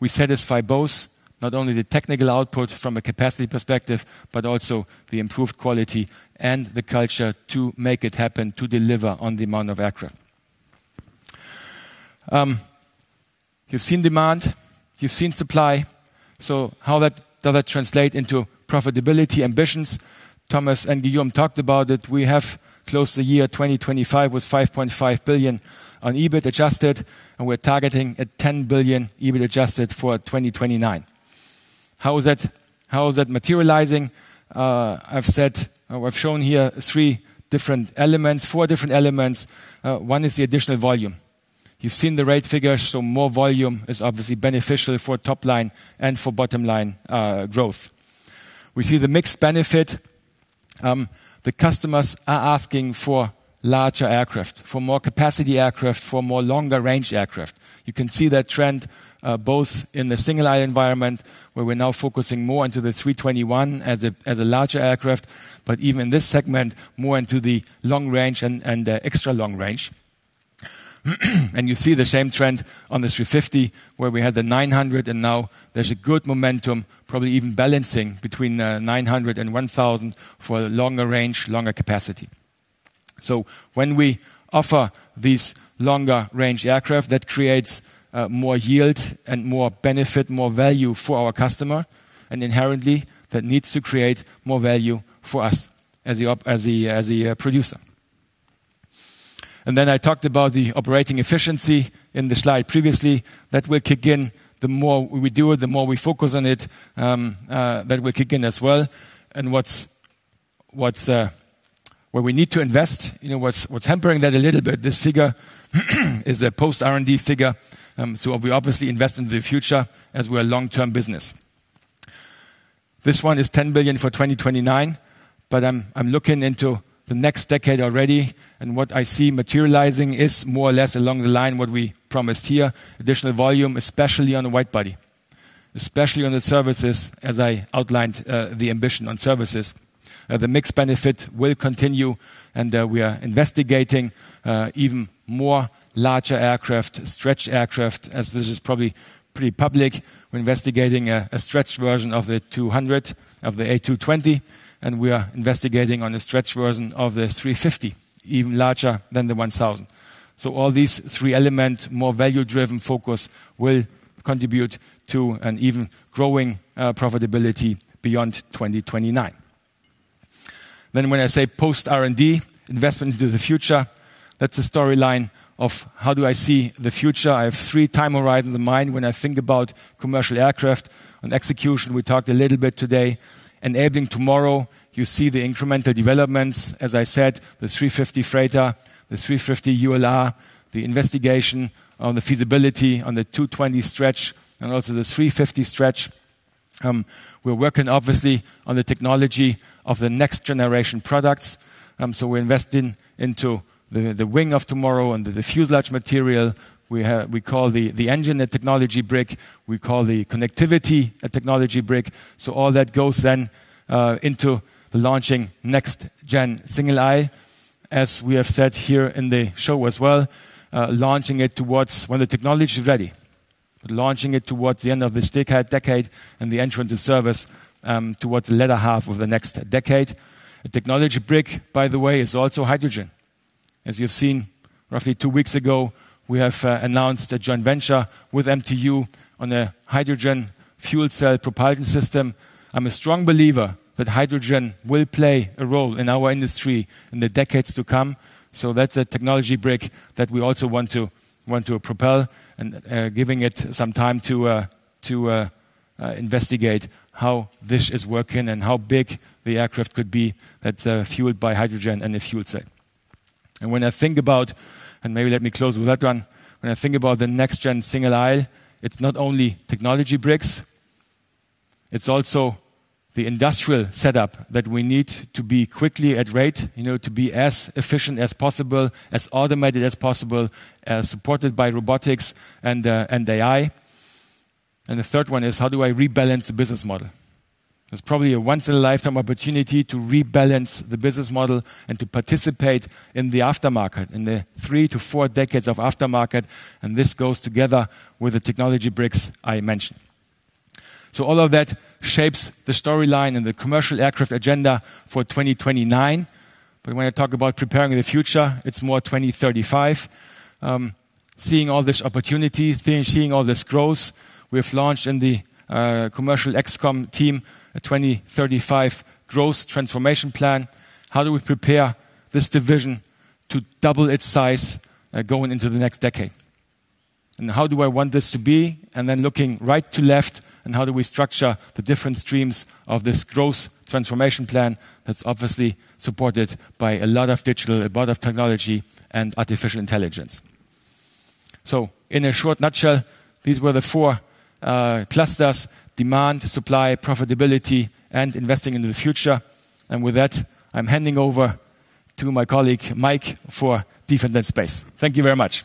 S4: we satisfy both, not only the technical output from a capacity perspective, but also the improved quality and the culture to make it happen, to deliver on the amount of aircraft. You've seen demand, you've seen supply. How does that translate into profitability ambitions? Thomas and Guillaume talked about it. We have closed the year 2025 with 5.5 billion on EBIT adjusted. We're targeting at 10 billion EBIT adjusted for 2029. How is that materializing? I've shown here four different elements. One is the additional volume. You've seen the rate figures, more volume is obviously beneficial for top line and for bottom line growth. We see the mixed benefit. The customers are asking for larger aircraft, for more capacity aircraft, for more longer range aircraft. You can see that trend both in the single-aisle environment, where we're now focusing more into the A321 as a larger aircraft, but even this segment more into the long range and the extra long range. You see the same trend on the A350 where we had the 900 and now there's a good momentum, probably even balancing between 900 and 1,000 for the longer range, longer capacity. When we offer these longer range aircraft, that creates more yield and more benefit, more value for our customer, and inherently, that needs to create more value for us as the producer. I talked about the operating efficiency in the slide previously. That will kick in. The more we do it, the more we focus on it, that will kick in as well. Where we need to invest, what's hampering that a little bit, this figure is a post R&D figure. We obviously invest in the future as we're a long-term business. This one is 10 billion for 2029, but I'm looking into the next decade already, and what I see materializing is more or less along the line what we promised here, additional volume, especially on the wide-body, especially on the services, as I outlined the ambition on services. The mixed benefit will continue, we are investigating even more larger aircraft, stretch aircraft, as this is probably pretty public. We're investigating a stretch version of the 200, of the A220, and we are investigating on a stretch version of the A350, even larger than the 1000. All these three elements, more value-driven focus, will contribute to an even growing profitability beyond 2029. When I say post R&D investment into the future, that's a storyline of how do I see the future. I have three time horizons in mind when I think about commercial aircraft. On execution, we talked a little today. Enabling tomorrow, you see the incremental developments, as I said, the A350 freighter, the A350 ULR, the investigation on the feasibility on the A220 stretch, and also the A350 stretch. We're working obviously on the technology of the next-generation products. We're investing into the wing of tomorrow and the fuselage material. We call the engine a technology brick. We call the connectivity a technology brick. All that goes then into launching next-gen single aisle. We have said here in the show as well, launching it when the technology is ready. Launching it towards the end of this decade, the entrance in service towards the latter half of the next decade. A technology brick, by the way, is also hydrogen. You have seen, roughly two weeks ago, we have announced a joint venture with MTU on a hydrogen fuel cell propulsion system. I'm a strong believer that hydrogen will play a role in our industry in the decades to come. That's a technology brick that we also want to propel and giving it some time to investigate how this is working and how big the aircraft could be that's fueled by hydrogen and the fuel cell. Maybe let me close with that one. When I think about the next-gen single aisle, it's not only technology bricks, it's also the industrial setup that we need to be quickly at rate, to be as efficient as possible, as automated as possible, supported by robotics and AI. The third one is how do I rebalance the business model? It's probably a once in a lifetime opportunity to rebalance the business model and to participate in the aftermarket, in the three to four decades of aftermarket, and this goes together with the technology bricks I mentioned. All of that shapes the storyline and the commercial aircraft agenda for 2029. When I talk about preparing the future, it's more 2035. Seeing all this opportunity, seeing all this growth, we have launched in the commercial ex-com team a 2035 growth transformation plan. How do we prepare this division to double its size going into the next decade? How do I want this to be? Then looking right to left and how do we structure the different streams of this growth transformation plan that's obviously supported by a lot of digital, a lot of technology, and artificial intelligence. In a short nutshell, these were the four clusters, demand, supply, profitability, and investing into the future. With that, I'm handing over to my colleague, Mike, for Defence and Space. Thank you very much.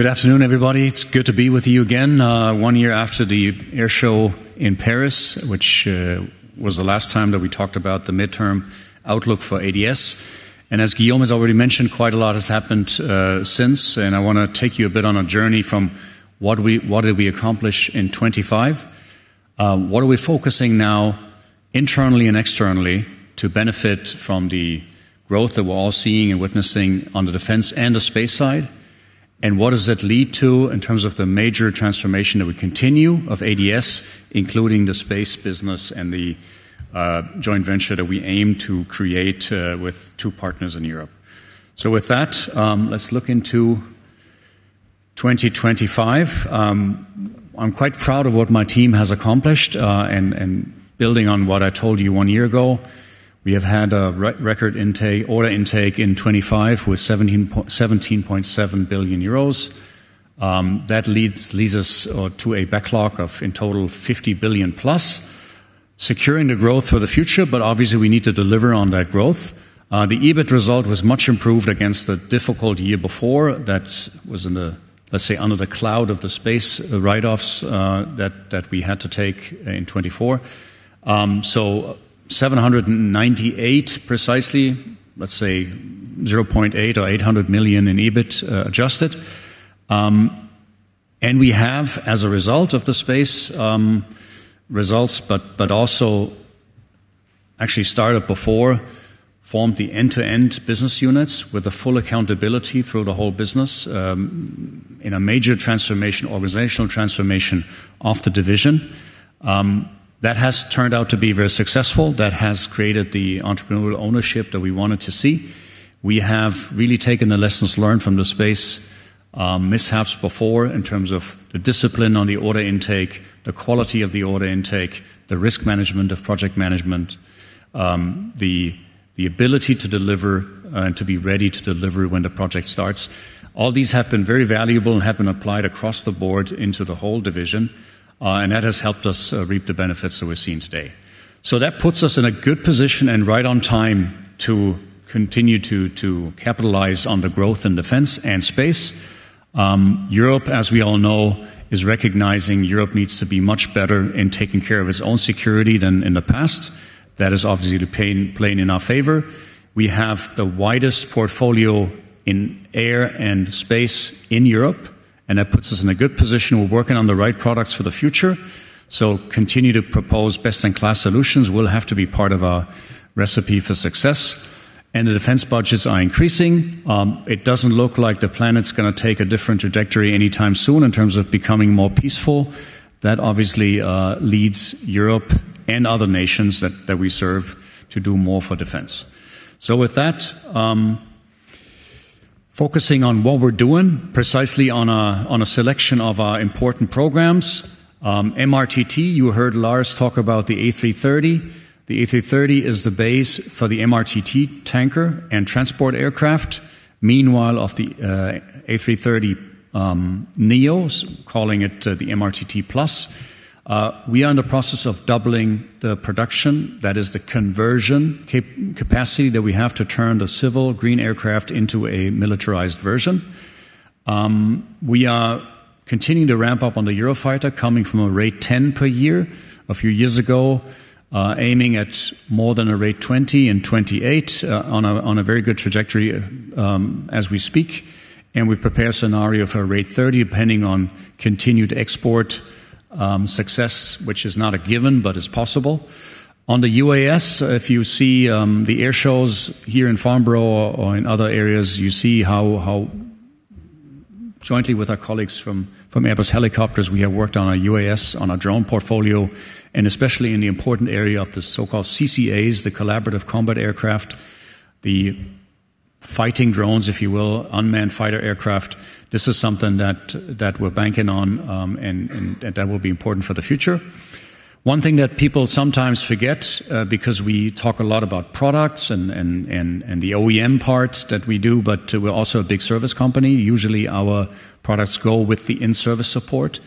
S5: Good afternoon, everybody. It's good to be with you again one year after the Airshow in Paris, which was the last time that we talked about the midterm outlook for ADS. As Guillaume has already mentioned, quite a lot has happened since, and I want to take you a bit on a journey from what did we accomplish in 2025? What are we focusing now internally and externally to benefit from the growth that we're all seeing and witnessing on the Defence and the Space side? What does that lead to in terms of the major transformation that we continue of ADS, including the Space business and the joint venture that we aim to create with two partners in Europe? With that, let's look into 2025. I'm quite proud of what my team has accomplished. Building on what I told you one year ago, we have had a record order intake in 2025 with 17.7 billion euros. That leads us to a backlog of, in total, 50+ billion, securing the growth for the future, but obviously we need to deliver on that growth. The EBIT result was much improved against the difficult year before. That was, let's say, under the cloud of the space write-offs that we had to take in 2024. 798 million precisely, let's say 0.8 or 800 million in EBIT Adjusted. We have, as a result of the Space results, but also actually started before, formed the end-to-end business units with a full accountability through the whole business, in a major transformation, organizational transformation of the division. That has turned out to be very successful. That has created the entrepreneurial ownership that we wanted to see. We have really taken the lessons learned from the Space mishaps before in terms of the discipline on the order intake, the quality of the order intake, the risk management of project management, the ability to deliver and to be ready to deliver when the project starts. All these have been very valuable and have been applied across the board into the whole division, and that has helped us reap the benefits that we're seeing today. That puts us in a good position and right on time to continue to capitalize on the growth in Defence and Space. Europe, as we all know, is recognizing Europe needs to be much better in taking care of its own security than in the past. That is obviously playing in our favor. We have the widest portfolio in Air and Space in Europe, and that puts us in a good position. We're working on the right products for the future. Continue to propose best-in-class solutions will have to be part of our recipe for success. The Defence budgets are increasing. It doesn't look like the planet's going to take a different trajectory anytime soon in terms of becoming more peaceful. That obviously leads Europe and other nations that we serve to do more for Defence. With that, focusing on what we're doing precisely on a selection of our important programs, MRTT, you heard Lars talk about the A330. The A330 is the base for the MRTT tanker and transport aircraft. Meanwhile, of the A330neos, calling it the MRTT+, we are in the process of doubling the production. That is the conversion capacity that we have to turn the civil green aircraft into a militarized version. We are continuing to ramp up on the Eurofighter, coming from a rate 10 per year a few years ago, aiming at more than a rate 20 in 2028, on a very good trajectory as we speak. We prepare a scenario for a rate 30 depending on continued export success, which is not a given, but is possible. On the UAS, if you see the airshows here in Farnborough or in other areas, you see how jointly with our colleagues from Airbus Helicopters, we have worked on a UAS, on a drone portfolio, and especially in the important area of the so-called CCAs, the Collaborative Combat Aircraft, the fighting drones, if you will, unmanned fighter aircraft. This is something that we're banking on, that will be important for the future. One thing that people sometimes forget, because we talk a lot about products and the OEM part that we do, but we're also a big service company. Usually, our products go with the in-service support.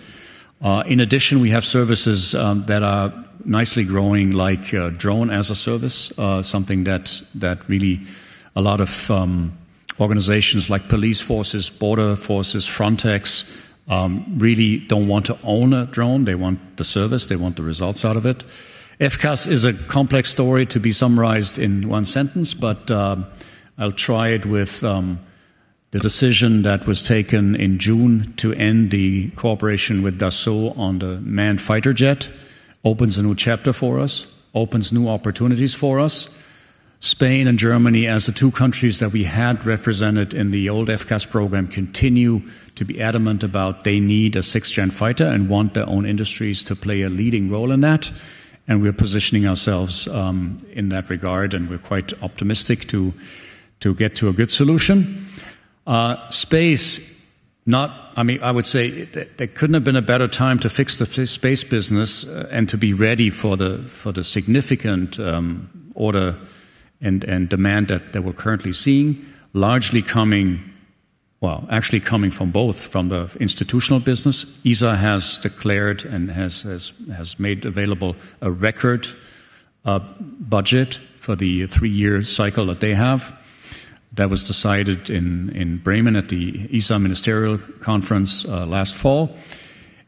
S5: In addition, we have services that are nicely growing, like Drone-as-a-Service, something that really a lot of organizations like police forces, border forces, Frontex, really don't want to own a drone. They want the service. They want the results out of it. FCAS is a complex story to be summarized in one sentence, but I'll try it with the decision that was taken in June to end the cooperation with Dassault on the manned fighter jet. Opens a new chapter for us, opens new opportunities for us. Spain and Germany, as the two countries that we had represented in the old FCAS program, continue to be adamant about they need a 6th-gen fighter and want their own industries to play a leading role in that. We're positioning ourselves in that regard, and we're quite optimistic to get to a good solution. Space, I would say there couldn't have been a better time to fix the Space business and to be ready for the significant order and demand that we're currently seeing, largely coming, well, actually coming from both, from the institutional business. ESA has declared and has made available a record. A budget for the three-year cycle that they have. That was decided in Bremen at the ESA ministerial conference last fall.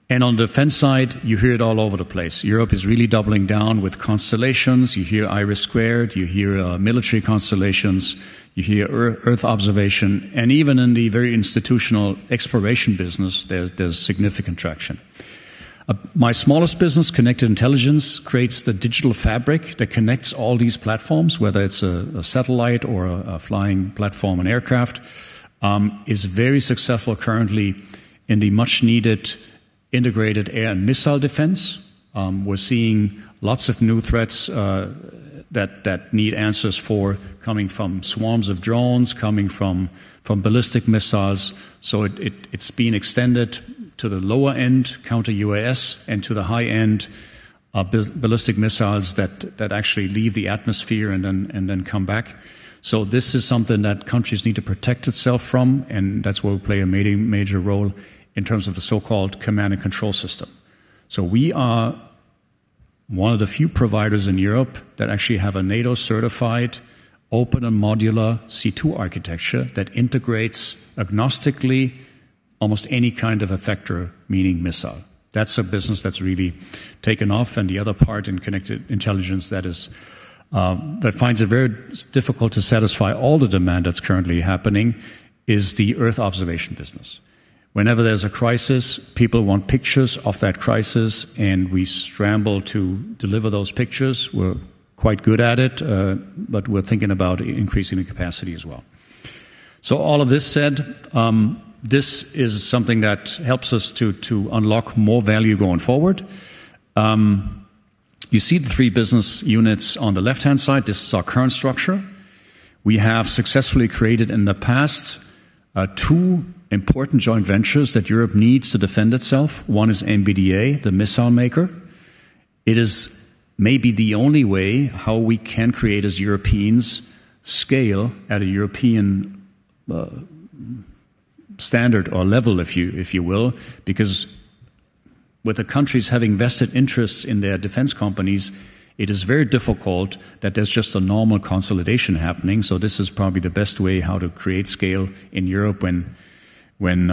S5: On the Defence side, you hear it all over the place. Europe is really doubling down with constellations. You hear IRIS², you hear military constellations, you hear Earth observation. Even in the very institutional exploration business, there's significant traction. My smallest business, Connected Intelligence, creates the digital fabric that connects all these platforms, whether it's a satellite or a flying platform an aircraft, is very successful currently in the much-needed integrated air and missile defense. We're seeing lots of new threats that need answers for coming from swarms of drones, coming from ballistic missiles. It's being extended to the lower end counter-UAS and to the high end ballistic missiles that actually leave the atmosphere then come back. This is something that countries need to protect itself from, and that's where we play a major role in terms of the so-called command and control system. We are one of the few providers in Europe that actually have a NATO-certified open and modular C2 architecture that integrates agnostically almost any kind of effector, meaning missile. That's a business that's really taken off. The other part in Connected Intelligence that finds it very difficult to satisfy all the demand that's currently happening is the Earth observation business. Whenever there's a crisis, people want pictures of that crisis. We scramble to deliver those pictures. We're quite good at it. We're thinking about increasing the capacity as well. All of this said, this is something that helps us to unlock more value going forward. You see the three business units on the left-hand side. This is our current structure. We have successfully created in the past two important joint ventures that Europe needs to defend itself. One is MBDA, the missile maker. It is maybe the only way how we can create, as Europeans, scale at a European standard or level, if you will, because with the countries having vested interests in their defense companies, it is very difficult that there's just a normal consolidation happening. This is probably the best way how to create scale in Europe when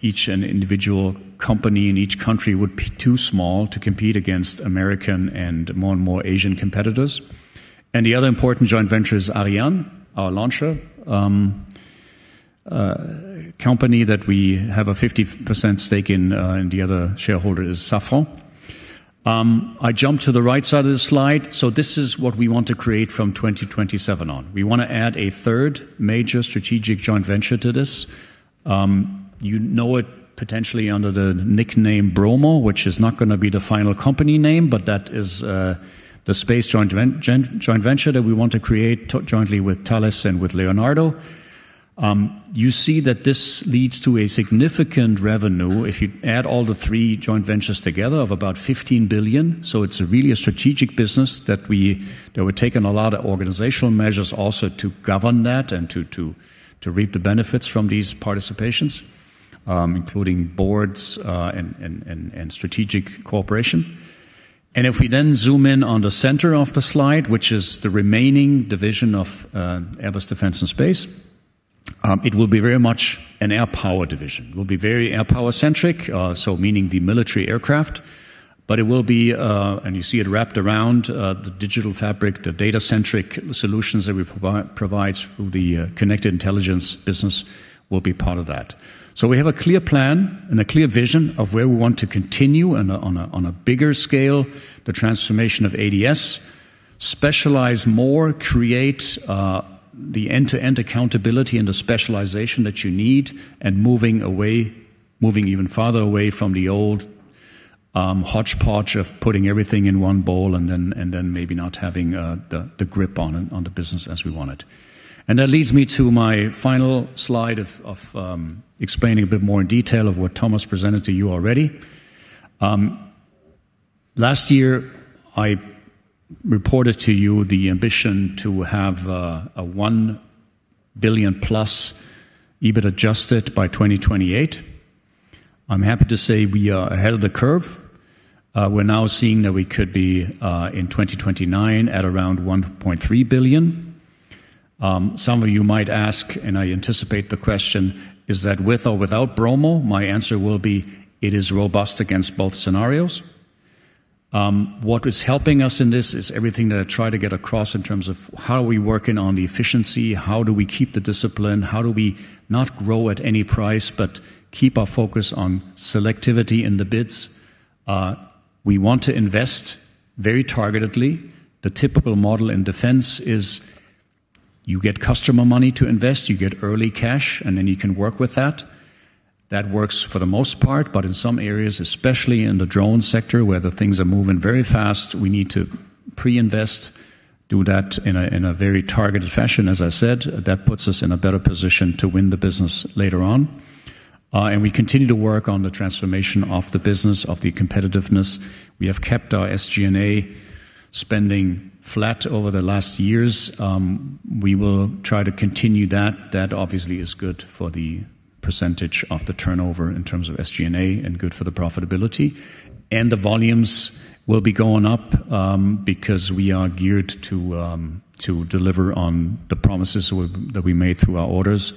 S5: each individual company in each country would be too small to compete against American and more and more Asian competitors. The other important joint venture is Ariane, our launcher, a company that we have a 50% stake in, and the other shareholder is Safran. I jump to the right side of the slide. This is what we want to create from 2027 on. We want to add a third major strategic joint venture to this. You know it potentially under the nickname Bromo, which is not going to be the final company name, but that is the space joint venture that we want to create jointly with Thales and with Leonardo. You see that this leads to a significant revenue if you add all the three joint ventures together of about 15 billion. It's really a strategic business that we're taking a lot of organizational measures also to govern that and to reap the benefits from these participations, including boards and strategic cooperation. If we then zoom in on the center of the slide, which is the remaining division of Airbus Defence and Space, it will be very much an air power division. It will be very air power-centric, meaning the military aircraft. It will be, and you see it wrapped around the digital fabric, the data-centric solutions that we provide through the Connected Intelligence business will be part of that. We have a clear plan and a clear vision of where we want to continue and on a bigger scale, the transformation of ADS, specialize more, create the end-to-end accountability and the specialization that you need, moving even farther away from the old hodgepodge of putting everything in one bowl and then maybe not having the grip on the business as we want it. That leads me to my final slide of explaining a bit more in detail of what Thomas presented to you already. Last year, I reported to you the ambition to have a 1+ billion EBIT Adjusted by 2028. I'm happy to say we are ahead of the curve. We're now seeing that we could be, in 2029, at around 1.3 billion. Some of you might ask, and I anticipate the question, is that with or without Bromo? My answer will be, it is robust against both scenarios. What is helping us in this is everything that I try to get across in terms of how are we working on the efficiency, how do we keep the discipline, how do we not grow at any price but keep our focus on selectivity in the bids? We want to invest very targetedly. The typical model in Defence is you get customer money to invest, you get early cash, then you can work with that. That works for the most part, but in some areas, especially in the drone sector, where the things are moving very fast, we need to pre-invest, do that in a very targeted fashion, as I said. That puts us in a better position to win the business later on. We continue to work on the transformation of the business, of the competitiveness. We have kept our SG&A spending flat over the last years. We will try to continue that. That obviously is good for the percentage of the turnover in terms of SG&A and good for the profitability. The volumes will be going up, because we are geared to deliver on the promises that we made through our orders,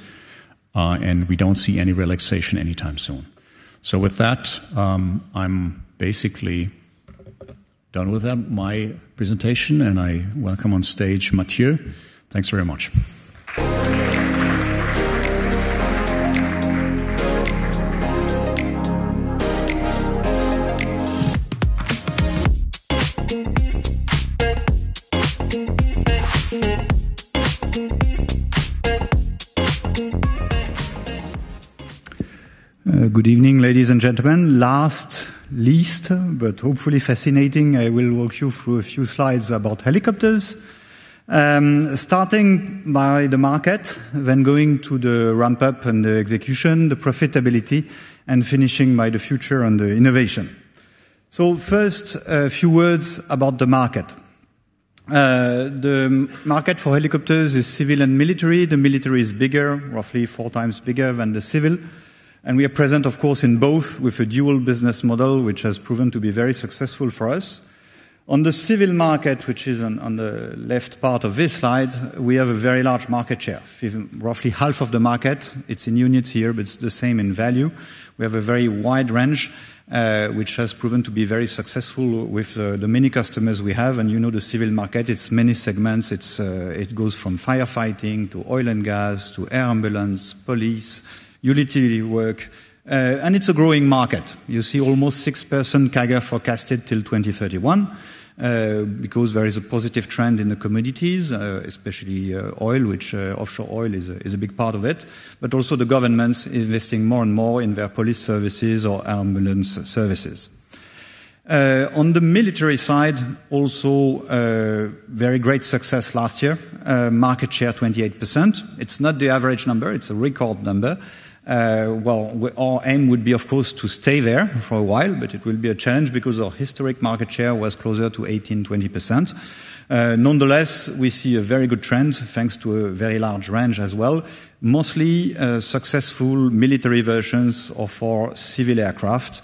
S5: and we don't see any relaxation anytime soon. With that, I'm basically done with my presentation, and I welcome on stage Matthieu. Thanks very much.
S6: Good evening, ladies and gentlemen. Last least, but hopefully fascinating, I will walk you through a few slides about Helicopters. Starting by the market, then going to the ramp-up and the execution, the profitability, and finishing by the future and the innovation. First, a few words about the market. The market for helicopters is civil and military. The military is bigger, roughly four times bigger than the civil. We are present, of course, in both with a dual business model, which has proven to be very successful for us. On the civil market, which is on the left part of this slide, we have a very large market share, roughly half of the market. It is in units here, but it is the same in value. We have a very wide range, which has proven to be very successful with the many customers we have. You know the civil market, it is many segments. It goes from firefighting to oil and gas to air ambulance, police, utility work, and it is a growing market. You see almost 6% CAGR forecasted till 2031, because there is a positive trend in the commodities, especially oil which is also a big part of it, but also the governments investing more and more in their police services or ambulance services. On the military side, also very great success last year. Market share 28%. It is not the average number. It is a record number. Our aim would be, of course, to stay there for a while, but it will be a challenge because our historic market share was closer to 18%-20%. Nonetheless, we see a very good trend, thanks to a very large range as well. Mostly successful military versions for civil aircraft.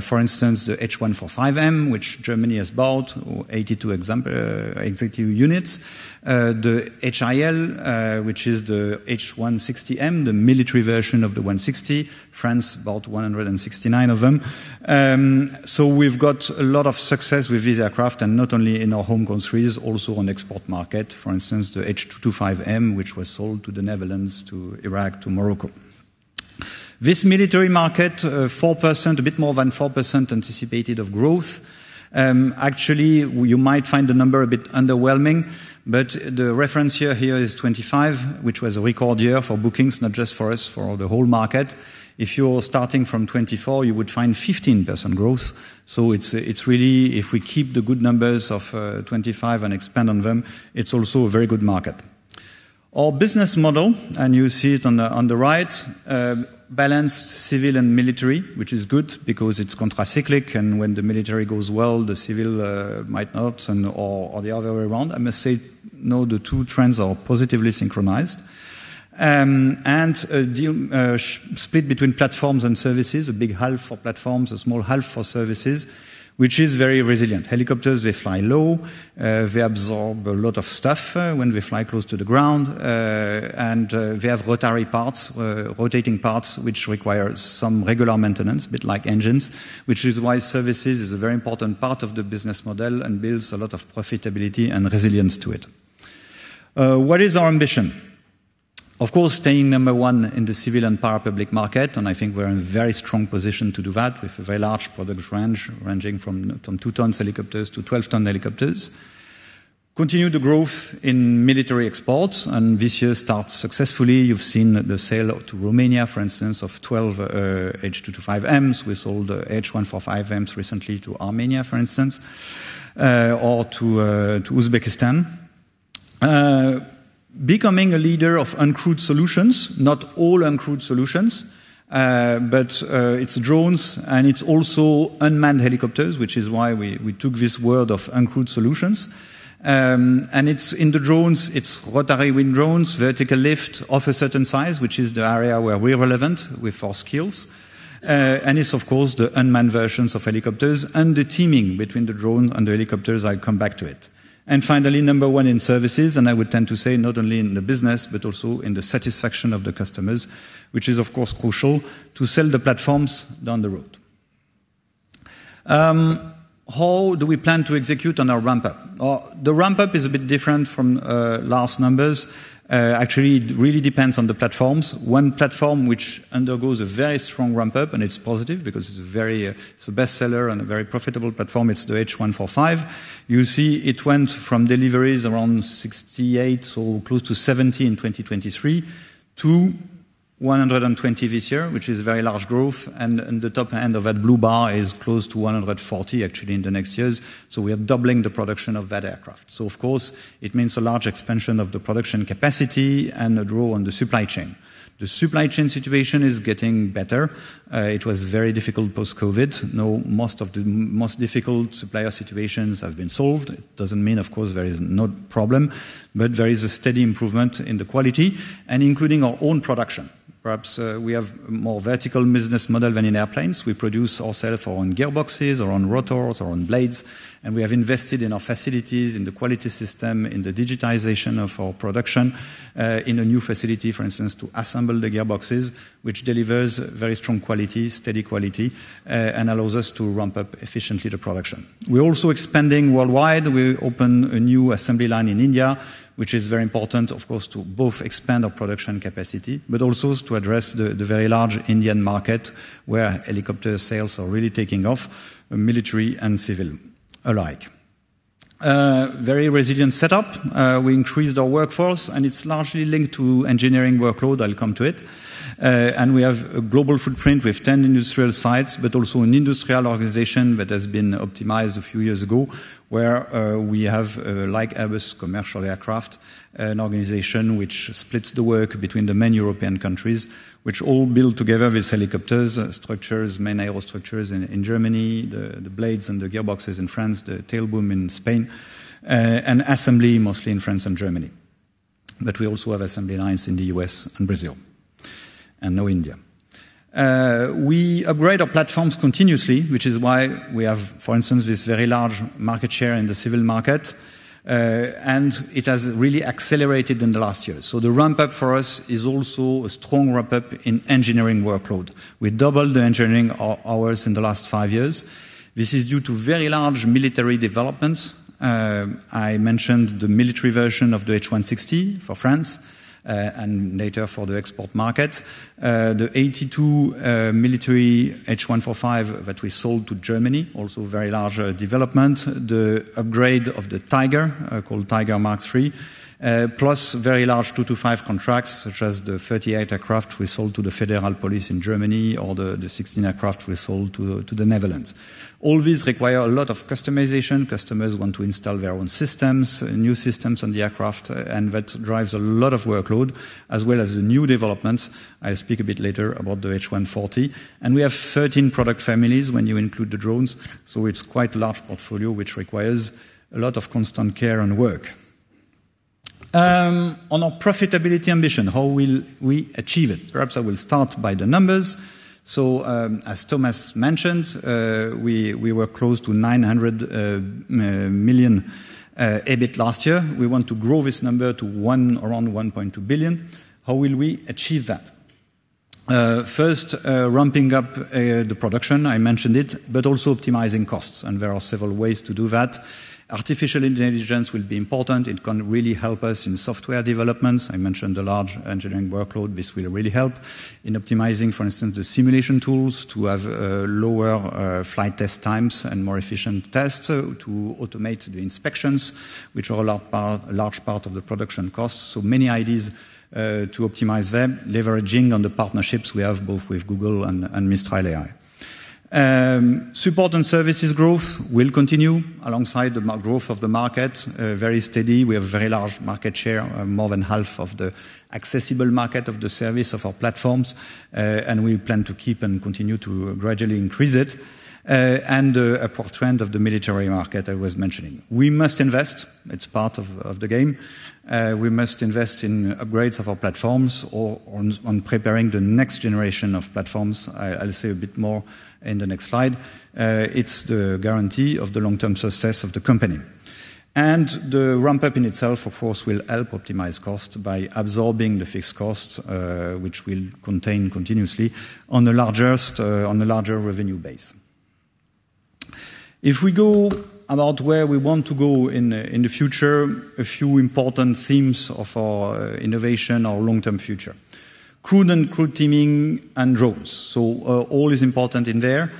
S6: For instance, the H145M, which Germany has bought 82 executive units. The HIL, which is the H160M, the military version of the 160. France bought 169 of them. We have got a lot of success with these aircraft, and not only in our home countries, also on export market. For instance, the H225M, which was sold to the Netherlands, to Iraq, to Morocco. This military market, a bit more than 4% anticipated of growth. Actually, you might find the number a bit underwhelming, but the reference year here is 2025, which was a record year for bookings, not just for us, for the whole market. If you are starting from 2024, you would find 15% growth. If we keep the good numbers of 2025 and expand on them, it is also a very good market. Our business model, you see it on the right, balanced civil and military, which is good because it is contra-cyclic, and when the military goes well, the civil might not or the other way around. I must say, no, the two trends are positively synchronized. A split between platforms and services, a big half for platforms, a small half for services, which is very resilient. Helicopters, they fly low. They absorb a lot of stuff when they fly close to the ground. And they have rotary parts, rotating parts, which require some regular maintenance, bit like engines, which is why services is a very important part of the business model and builds a lot of profitability and resilience to it. What is our ambition? Of course, staying number one in the civil and parapublic market. I think we're in a very strong position to do that with a very large product range, ranging from 2 tons helicopters to 12 tons helicopters. Continue the growth in military exports. This year start successfully. You've seen the sale to Romania, for instance, of 12 H225Ms. We sold H145Ms recently to Armenia, for instance, or to Uzbekistan. Becoming a leader of uncrewed solutions. Not all uncrewed solutions, but it's drones, and it's also unmanned helicopters, which is why we took this word of uncrewed solutions. It's in the drones. It's rotary-wing drones, vertical lift of a certain size, which is the area where we're relevant with our skills. It's, of course, the unmanned versions of helicopters and the teaming between the drones and the helicopters. I'll come back to it. Finally, number one in services. I would tend to say not only in the business, but also in the satisfaction of the customers, which is, of course, crucial to sell the platforms down the road. How do we plan to execute on our ramp-up? The ramp-up is a bit different from last numbers. Actually, it really depends on the platforms. One platform which undergoes a very strong ramp-up, and it's positive because it's a bestseller and a very profitable platform, it's the H145. You see it went from deliveries around 68 or close to 70 in 2023 to 120 this year, which is very large growth. The top end of that blue bar is close to 140 actually in the next years. We are doubling the production of that aircraft. Of course, it means a large expansion of the production capacity and a draw on the supply chain. The supply chain situation is getting better. It was very difficult post-COVID. Now, most of the most difficult supplier situations have been solved. It doesn't mean, of course, there is no problem, but there is a steady improvement in the quality and including our own production. Perhaps we have more vertical business model than in airplanes. We produce ourself on gearboxes, or on rotors, or on blades, and we have invested in our facilities, in the quality system, in the digitization of our production, in a new facility, for instance, to assemble the gearboxes, which delivers very strong quality, steady quality, and allows us to ramp up efficiently the production. We're also expanding worldwide. We open a new assembly line in India, which is very important, of course, to both expand our production capacity, but also to address the very large Indian market where helicopter sales are really taking off, military and civil alike. Very resilient setup. We increased our workforce. It's largely linked to engineering workload, I'll come to it. We have a global footprint. We have 10 industrial sites, but also an industrial organization that has been optimized a few years ago, where we have, like Airbus Commercial Aircraft, an organization which splits the work between the main European countries, which all build together these helicopters structures, main aerostructures in Germany, the blades and the gearboxes in France, the tailboom in Spain, and assembly mostly in France and Germany. We also have assembly lines in the U.S. and Brazil, and now India. We upgrade our platforms continuously, which is why we have, for instance, this very large market share in the civil market. It has really accelerated in the last year. The ramp-up for us is also a strong ramp-up in engineering workload. We doubled the engineering hours in the last five years. This is due to very large military developments. I mentioned the military version of the H160 for France, and later for the export market. The 82 military H145 that we sold to Germany, also very large development. The upgrade of the Tiger, called Tiger Mark III, plus very large H225 contracts, such as the 38 aircraft we sold to the Federal Police in Germany, or the 16 aircraft we sold to the Netherlands. All these require a lot of customization. Customers want to install their own systems, new systems on the aircraft, and that drives a lot of workload as well as the new developments. I'll speak a bit later about the H140. We have 13 product families when you include the drones. It's quite large portfolio, which requires a lot of constant care and work. On our profitability ambition, how will we achieve it? Perhaps I will start by the numbers. As Thomas mentioned, we were close to 900 million EBIT last year. We want to grow this number to around 1.2 billion. How will we achieve that? First, ramping up the production, I mentioned it, but also optimizing costs, and there are several ways to do that. Artificial intelligence will be important. It can really help us in software developments. I mentioned the large engineering workload. This will really help in optimizing, for instance, the simulation tools to have lower flight test times and more efficient tests to automate the inspections, which are a large part of the production cost. Many ideas to optimize them, leveraging on the partnerships we have both with Google and Mistral AI. Support and services growth will continue alongside the growth of the market, very steady. We have very large market share, more than half of the accessible market of the service of our platforms. We plan to keep and continue to gradually increase it. A poor trend of the military market I was mentioning. We must invest. It's part of the game. We must invest in upgrades of our platforms or on preparing the next generation of platforms. I'll say a bit more in the next slide. It's the guarantee of the long-term success of the company. The ramp-up in itself, of course, will help optimize cost by absorbing the fixed costs, which we'll contain continuously on the larger revenue base. If we go about where we want to go in the future, a few important themes of our innovation, our long-term future. Crewed and crew teaming and drones. All is important in there.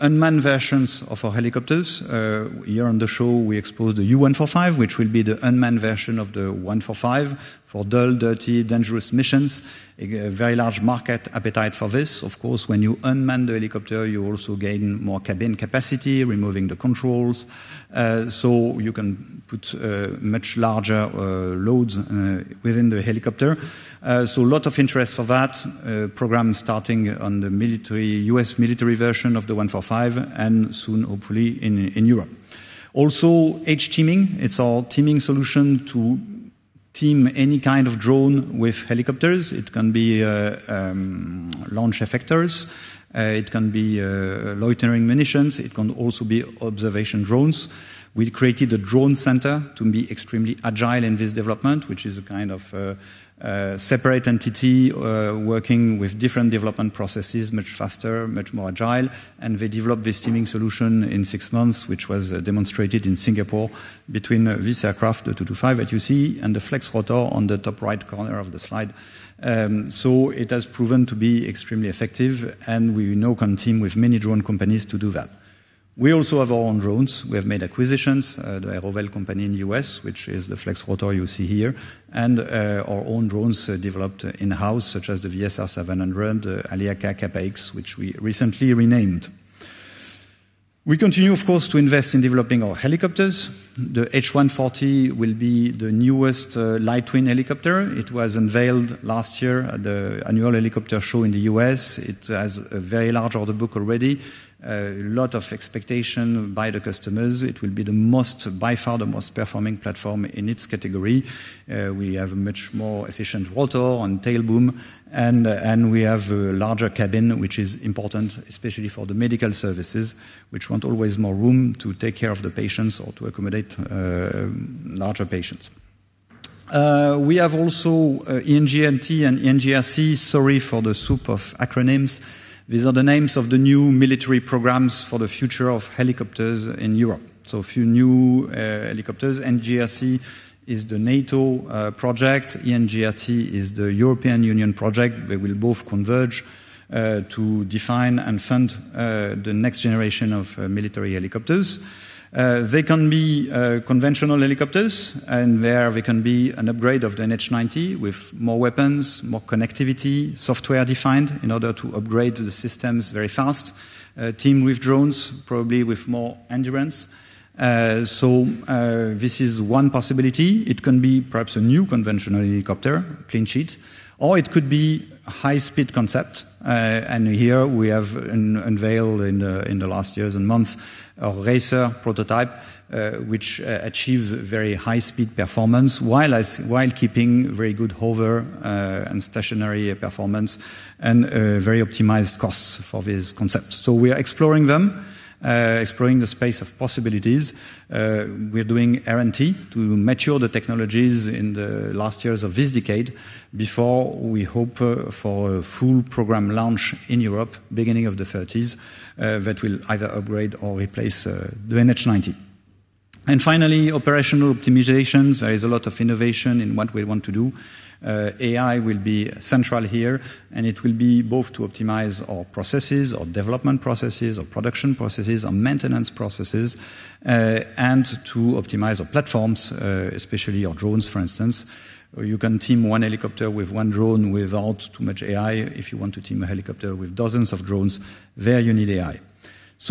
S6: Unmanned versions of our helicopters. Here on the show, we exposed the U145, which will be the unmanned version of the H145 for dull, dirty, dangerous missions. A very large market appetite for this. Of course, when you unman the helicopter, you also gain more cabin capacity, removing the controls. You can put much larger loads within the helicopter. A lot of interest for that program starting on the U.S. military version of the H145 and soon, hopefully in Europe. Also, HTeaming. It's our teaming solution to team any kind of drone with helicopters. It can be launch effectors. It can be loitering munitions. It can also be observation drones. We created a drone center to be extremely agile in this development, which is a kind of separate entity, working with different development processes much faster, much more agile. They developed this teaming solution in six months, which was demonstrated in Singapore between this aircraft, the H225 that you see, and the Flexrotor on the top right corner of the slide. It has proven to be extremely effective, and we now can team with many drone companies to do that. We also have our own drones. We have made acquisitions, the Aerovel company in the U.S., which is the Flexrotor you see here, and our own drones developed in-house, such as the VSR700, the Aliaca, which we recently renamed. We continue, of course, to invest in developing our helicopters. The H140 will be the newest light twin helicopter. It was unveiled last year at the annual helicopter show in the U.S. It has a very large order book already. A lot of expectation by the customers. It will be, by far, the most performing platform in its category. We have a much more efficient rotor and tail boom, and we have a larger cabin, which is important, especially for the medical services, which want always more room to take care of the patients or to accommodate larger patients. We have also NGNT and NGRC, sorry for the soup of acronyms. These are the names of the new military programs for the future of helicopters in Europe. A few new helicopters. NGRC is the NATO project. NGNT is the European Union project. They will both converge to define and fund the next generation of military helicopters. They can be conventional helicopters, and there they can be an upgrade of the NH90 with more weapons, more connectivity, software-defined in order to upgrade the systems very fast, teamed with drones, probably with more endurance. This is one possibility. It can be perhaps a new conventional helicopter, clean sheet, or it could be high speed concept. Here we have unveiled in the last years and months a RACER prototype, which achieves very high-speed performance while keeping very good hover and stationary performance and very optimized costs for this concept. We are exploring them, exploring the space of possibilities. We're doing R&T to mature the technologies in the last years of this decade before we hope for a full program launch in Europe, beginning of the 2030s, that will either upgrade or replace the NH90. Finally, operational optimizations. There is a lot of innovation in what we want to do. AI will be central here, and it will be both to optimize our processes, our development processes, our production processes, our maintenance processes, and to optimize our platforms, especially our drones, for instance. You can team one helicopter with one drone without too much AI. If you want to team a helicopter with dozens of drones, there you need AI.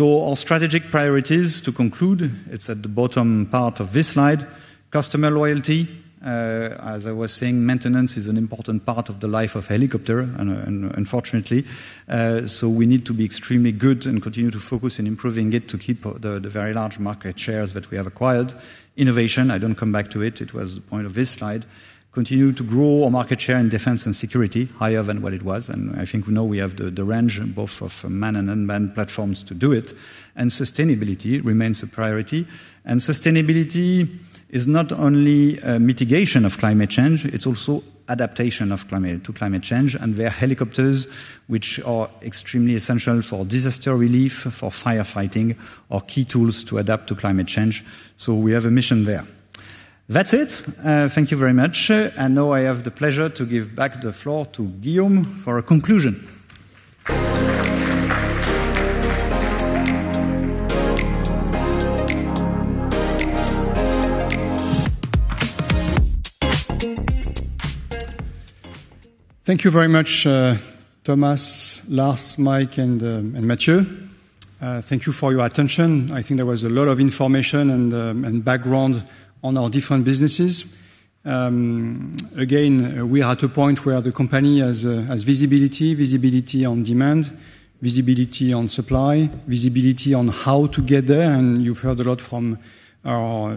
S6: Our strategic priorities to conclude, it's at the bottom part of this slide. Customer loyalty. As I was saying, maintenance is an important part of the life of helicopter, unfortunately. We need to be extremely good and continue to focus on improving it to keep the very large market shares that we have acquired. Innovation, I don't come back to it. It was the point of this slide. Continue to grow our market share in defense and security higher than what it was. I think we know we have the range both of manned and unmanned platforms to do it. Sustainability remains a priority. Sustainability is not only mitigation of climate change, it's also adaptation to climate change. Where helicopters, which are extremely essential for disaster relief, for firefighting, are key tools to adapt to climate change. We have a mission there. That's it. Thank you very much. Now I have the pleasure to give back the floor to Guillaume for a conclusion.
S2: Thank you very much, Thomas, Lars, Mike, and Matthieu. Thank you for your attention. I think there was a lot of information and background on our different businesses. Again, we are at a point where the company has visibility on demand, visibility on supply, visibility on how to get there, and you've heard a lot from our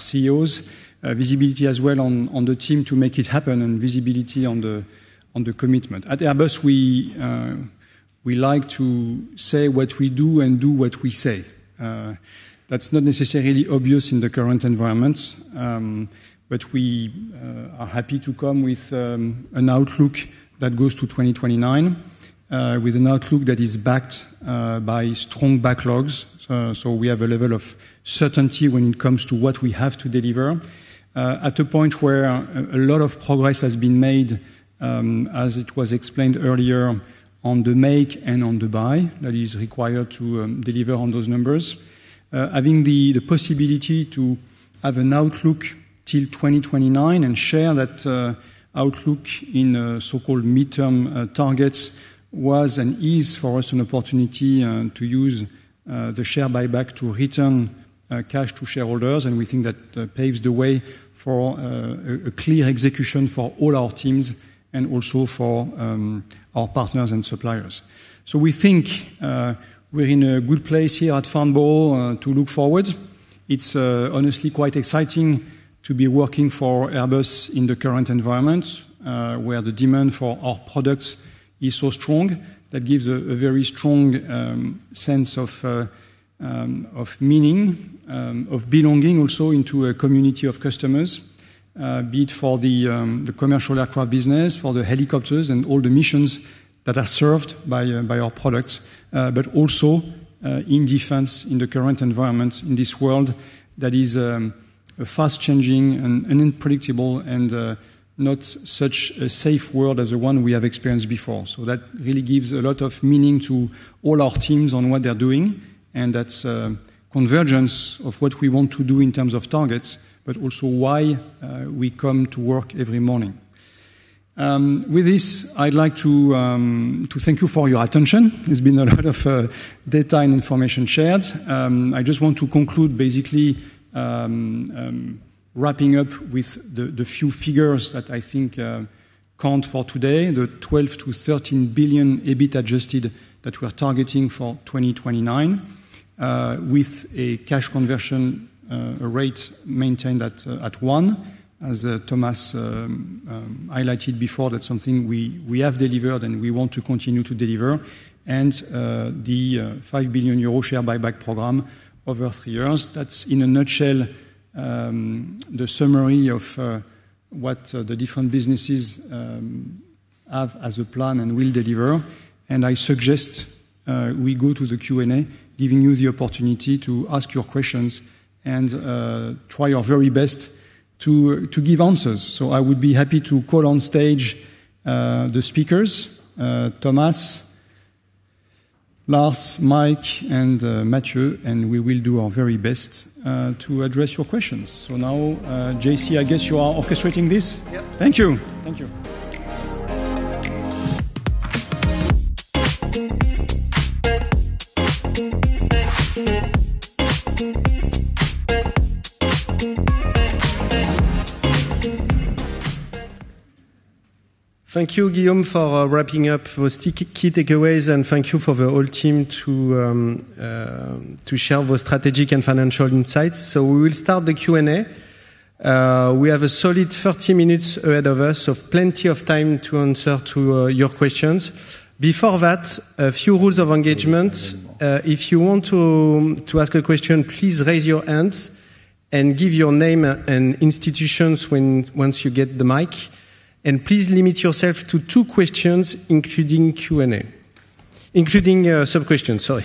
S2: CEOs. Visibility as well on the team to make it happen and visibility on the commitment. At Airbus, we like to say what we do and do what we say. That's not necessarily obvious in the current environment, but we are happy to come with an outlook that goes to 2029, with an outlook that is backed by strong backlogs. We have a level of certainty when it comes to what we have to deliver. At a point where a lot of progress has been made, as it was explained earlier, on the make and on the buy that is required to deliver on those numbers. Having the possibility to have an outlook till 2029 and share that outlook in so-called midterm targets was and is for us an opportunity to use the share buyback to return cash to shareholders. We think that paves the way for a clear execution for all our teams and also for our partners and suppliers. We think we're in a good place here at Farnborough to look forward. It's honestly quite exciting to be working for Airbus in the current environment, where the demand for our products is so strong. That gives a very strong sense of meaning, of belonging also into a community of customers, be it for the Commercial Aircraft business, for the helicopters and all the missions that are served by our products. Also in Defence in the current environment in this world that is fast-changing and unpredictable, not such a safe world as the one we have experienced before. That really gives a lot of meaning to all our teams on what they're doing, and that's a convergence of what we want to do in terms of targets. Also why we come to work every morning. With this, I'd like to thank you for your attention. There's been a lot of data and information shared. I just want to conclude basically, wrapping up with the few figures that I think count for today, the 12 billion-13 billion EBIT Adjusted that we are targeting for 2029, with a cash conversion rate maintained at 1x. As Thomas highlighted before, that's something we have delivered and we want to continue to deliver. The 5 billion euro share buyback program over three years, that's in a nutshell, the summary of what the different businesses have as a plan and will deliver. I suggest we go to the Q&A, giving you the opportunity to ask your questions and try our very best to give answers. I would be happy to call on stage the speakers, Thomas, Lars, Mike, and Matthieu, and we will do our very best to address your questions. Now, J.C., I guess you are orchestrating this?
S1: Yep.
S2: Thank you.
S1: Thank you. Thank you, Guillaume, for wrapping up those key takeaways, and thank you for the whole team to share those strategic and financial insights. We will start the Q&A. We have a solid 30 minutes ahead of us, plenty of time to answer to your questions. Before that, a few rules of engagement. If you want to ask a question, please raise your hands and give your name and institutions once you get the mic. Please limit yourself to two questions, including Q&A. Including sub-questions, sorry.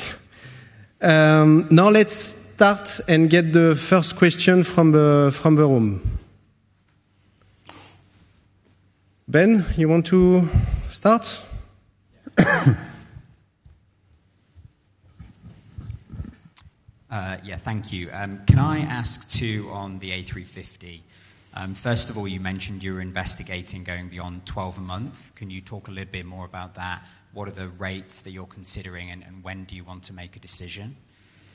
S1: Let's start and get the first question from the room. Ben, you want to start?
S7: Yeah. Thank you. Can I ask two, on the A350, first of all, you mentioned you were investigating going beyond 12 a month. Can you talk a little bit more about that? What are the rates that you're considering, and when do you want to make a decision?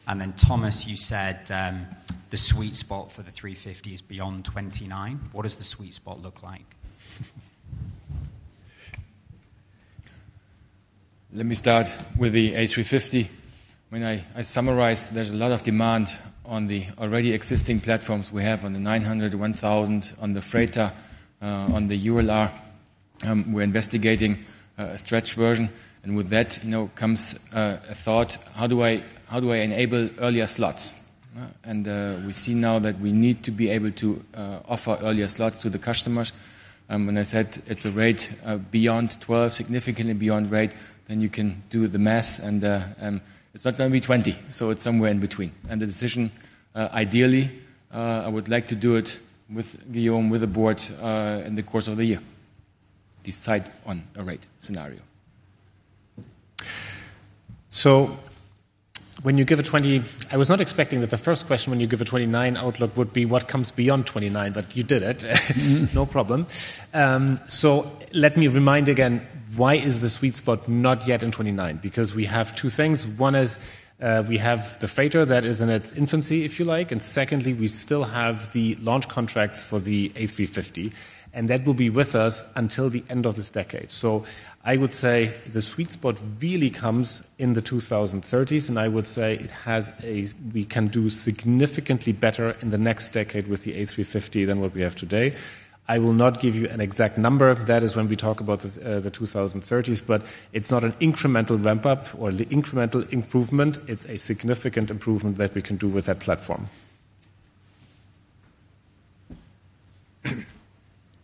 S7: Then Thomas, you said the sweet spot for the A350 is beyond 2029. What does the sweet spot look like?
S4: Let me start with the A350. When I summarized, there's a lot of demand on the already existing platforms we have on the 900, 1000, on the freighter, on the ULR. We're investigating a stretch version. With that, comes a thought, how do I enable earlier slots? We see now that we need to be able to offer earlier slots to the customers. When I said it's a rate of beyond 12, significantly beyond rate, then you can do the math and it's not going to be 20, so it's somewhere in between. The decision, ideally, I would like to do it with Guillaume, with the board, in the course of the year, decide on a rate scenario.
S3: I was not expecting that the first question when you give a 2029 outlook would be what comes beyond 2029, but you did it. No problem. Let me remind again, why is the sweet spot not yet in 2029? Because we have two things. One is, we have the freighter that is in its infancy, if you like, and secondly, we still have the launch contracts for the A350, and that will be with us until the end of this decade. I would say the sweet spot really comes in the 2030s, and I would say we can do significantly better in the next decade with the A350 than what we have today. I will not give you an exact number. That is when we talk about the 2030s, but it's not an incremental ramp-up or the incremental improvement, it's a significant improvement that we can do with that platform.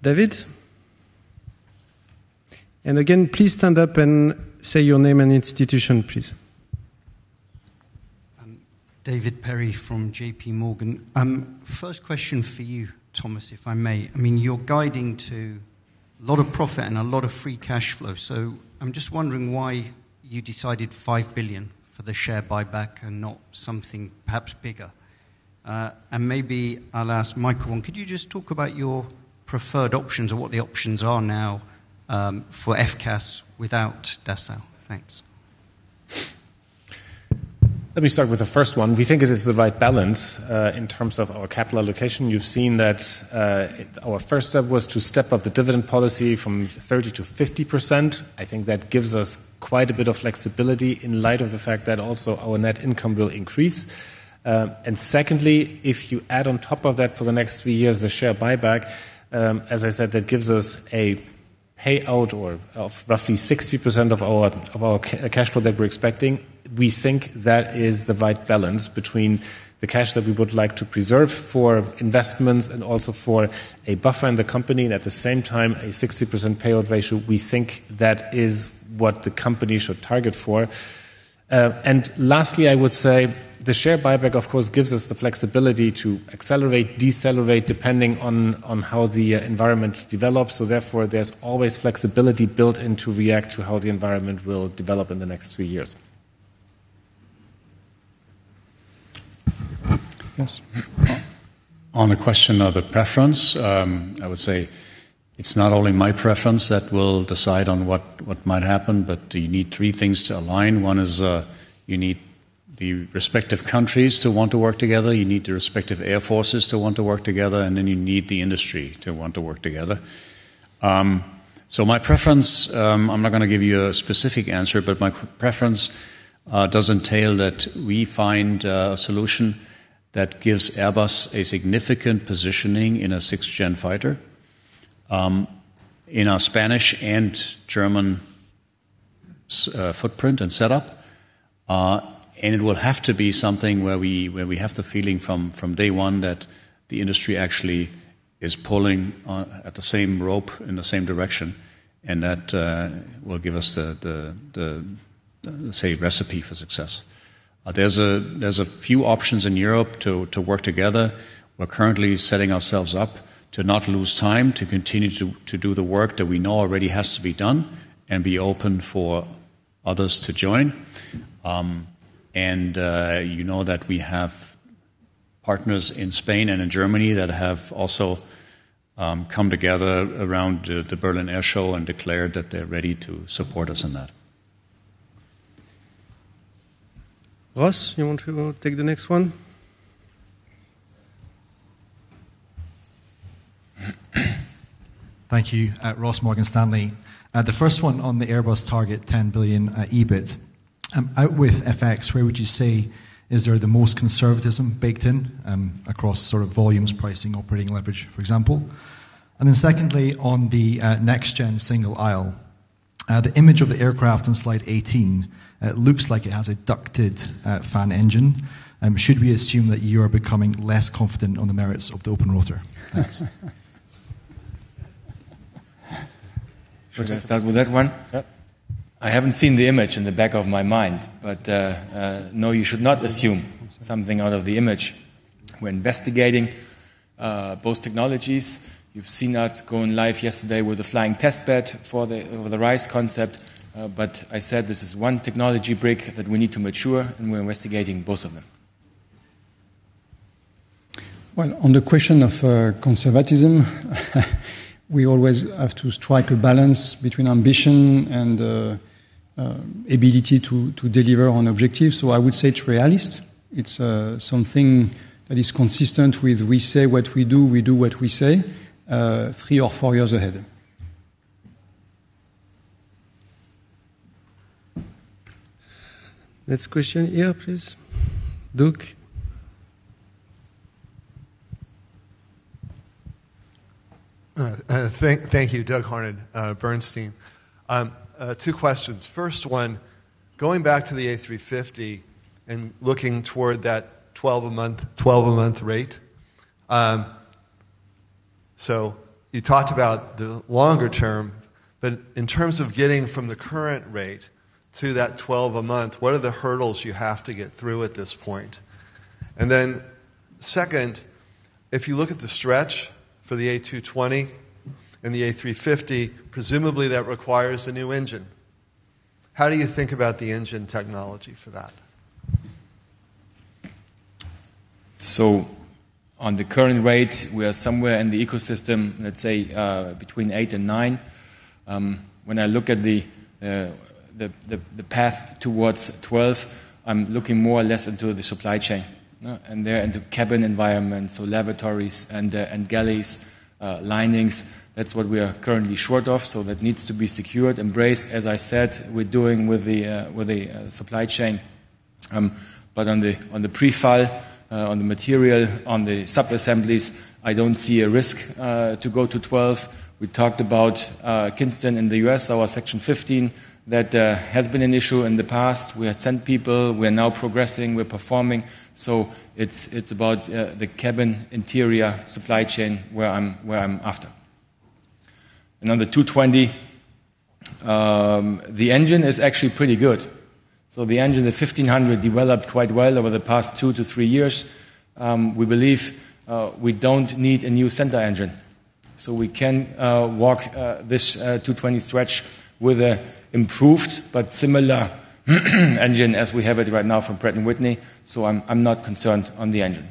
S1: David? Again, please stand up and say your name and institution, please.
S8: David Perry from JPMorgan. First question for you, Thomas, if I may. You're guiding to a lot of profit and a lot of free cash flow. I'm just wondering why you decided 5 billion for the share buyback and not something perhaps bigger. Maybe I'll ask Mike one. Could you just talk about your preferred options or what the options are now, for FCAS without Dassault? Thanks.
S3: Let me start with the first one. We think it is the right balance, in terms of our capital allocation. You've seen that our first step was to step up the dividend policy from 30% to 50%. I think that gives us quite a bit of flexibility in light of the fact that also our net income will increase. Secondly, if you add on top of that for the next three years, the share buyback, as I said, that gives us a payout of roughly 60% of our cash flow that we're expecting. We think that is the right balance between the cash that we would like to preserve for investments and also for a buffer in the company, and at the same time, a 60% payout ratio, we think that is what the company should target for. Lastly, I would say the share buyback, of course, gives us the flexibility to accelerate, decelerate, depending on how the environment develops. Therefore, there's always flexibility built in to react to how the environment will develop in the next three years.
S5: Yes. On the question of the preference, I would say it's not only my preference that will decide on what might happen, but you need three things to align. One is you need the respective countries to want to work together, you need the respective air forces to want to work together, you need the industry to want to work together. My preference, I'm not going to give you a specific answer, but my preference does entail that we find a solution that gives Airbus a significant positioning in a 6th-gen fighter, in our Spanish and German footprint and setup. It will have to be something where we have the feeling from day one that the industry actually is pulling at the same rope in the same direction, and that will give us the, say, recipe for success. There's a few options in Europe to work together. We're currently setting ourselves up to not lose time, to continue to do the work that we know already has to be done, and be open for others to join. You know that we have partners in Spain and in Germany that have also come together around the Berlin Air Show and declared that they're ready to support us in that.
S1: Ross, you want to take the next one?
S9: Thank you. Ross, Morgan Stanley. The first one on the Airbus target 10 billion EBIT. Out with FX, where would you say is there the most conservatism baked in across sort of volumes, pricing, operating leverage, for example? Secondly, on the next-gen single aisle, the image of the aircraft on slide 18 looks like it has a ducted fan engine. Should we assume that you are becoming less confident on the merits of the open rotor? Thanks.
S4: Should I start with that one?
S2: Yep.
S4: I haven't seen the image in the back of my mind, no, you should not assume something out of the image. We're investigating both technologies. You've seen us go live yesterday with a flying test bed for the RISE concept. I said this is one technology break that we need to mature, and we're investigating both of them.
S2: On the question of conservatism, we always have to strike a balance between ambition and ability to deliver on objectives. I would say it's realist. It's something that is consistent with we say what we do, we do what we say, three or four years ahead.
S1: Next question here, please. Doug.
S10: Thank you. Doug Harned, Bernstein. Two questions. First one, going back to the A350 and looking toward that 12 a month rate. You talked about the longer term, in terms of getting from the current rate to that 12 a month, what are the hurdles you have to get through at this point? Second, if you look at the stretch for the A220 and the A350, presumably that requires a new engine. How do you think about the engine technology for that?
S4: On the current rate, we are somewhere in the ecosystem, let's say between eight and nine. When I look at the path towards 12, I'm looking more or less into the supply chain, and the cabin environment, lavatories and galleys, linings. That's what we are currently short of, that needs to be secured. Embrace, as I said, we're doing with the supply chain. On the pre-fil, on the material, on the sub-assemblies, I don't see a risk to go to 12. We talked about Kinston in the U.S., our section 15, that has been an issue in the past. We had sent people. We're now progressing, we're performing. It's about the cabin interior supply chain where I'm after. On the 220, the engine is actually pretty good. The engine, the PW1500G developed quite well over the past two to three years. We believe we don't need a new center engine. We can walk this A220 stretch with an improved but similar engine as we have it right now from Pratt & Whitney. I'm not concerned on the engine.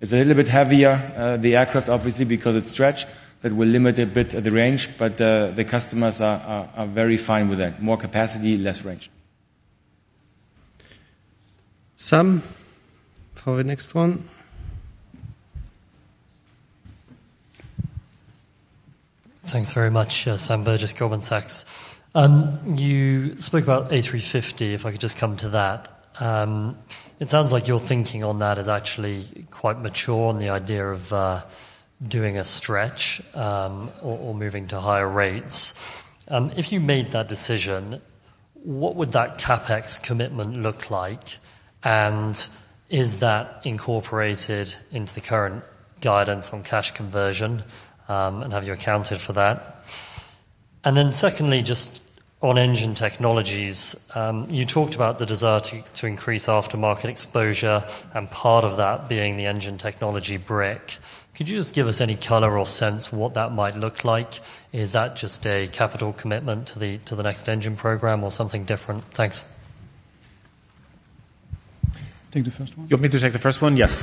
S4: It's a little bit heavier, the aircraft obviously, because it's stretched. That will limit a bit of the range, but the customers are very fine with that. More capacity, less range.
S1: Sam, for the next one.
S11: Thanks very much. Sam Burgess, Goldman Sachs. You spoke about A350, if I could just come to that. It sounds like your thinking on that is actually quite mature on the idea of doing a stretch, or moving to higher rates. If you made that decision, what would that CapEx commitment look like? Is that incorporated into the current guidance on cash conversion? Have you accounted for that? Secondly, just on engine technologies, you talked about the desire to increase aftermarket exposure and part of that being the engine technology brick. Could you just give us any color or sense what that might look like? Is that just a capital commitment to the next engine program or something different? Thanks.
S2: Take the first one.
S3: You want me to take the first one? Yes.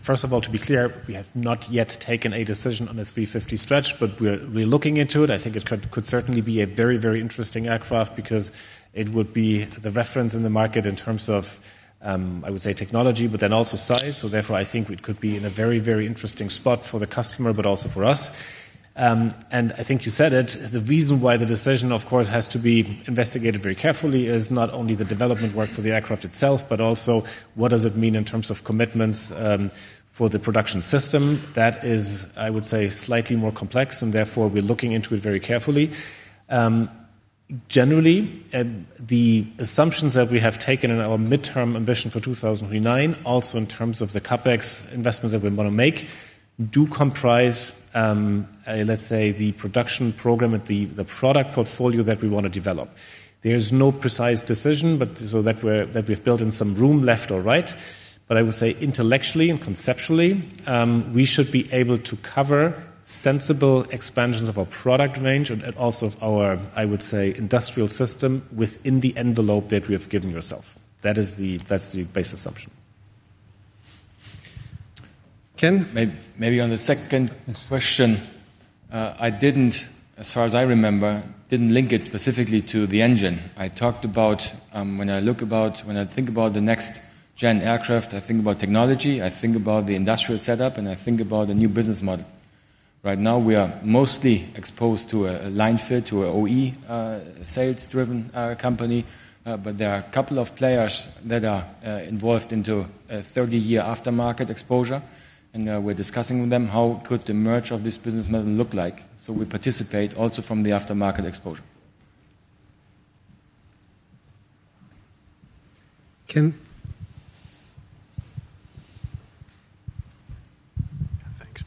S3: First of all, to be clear, we have not yet taken a decision on the A350 stretch, but we're looking into it. I think it could certainly be a very interesting aircraft because it would be the reference in the market in terms of, I would say technology, but also size. Therefore, I think it could be in a very interesting spot for the customer, but also for us. I think you said it, the reason why the decision, of course, has to be investigated very carefully is not only the development work for the aircraft itself, but also what does it mean in terms of commitments for the production system. That is, I would say, slightly more complex. Therefore, we're looking into it very carefully. Generally, the assumptions that we have taken in our midterm ambition for 2029, also in terms of the CapEx investments that we want to make, do comprise, let's say, the production program and the product portfolio that we want to develop. There is no precise decision, that we've built in some room left or right. I would say intellectually and conceptually, we should be able to cover sensible expansions of our product range and also of our, I would say, industrial system within the envelope that we have given ourself. That's the base assumption.
S1: Ken?
S4: Maybe on the second question. I, as far as I remember, didn't link it specifically to the engine. I talked about when I think about the next gen aircraft, I think about technology, I think about the industrial setup, and I think about the new business model. Right now, we are mostly exposed to a line fit, to OE, sales-driven company. There are a couple of players that are involved into a 30-year aftermarket exposure, and we're discussing with them how could the merge of this business model look like. We participate also from the aftermarket exposure.
S1: Ken?
S12: Thanks.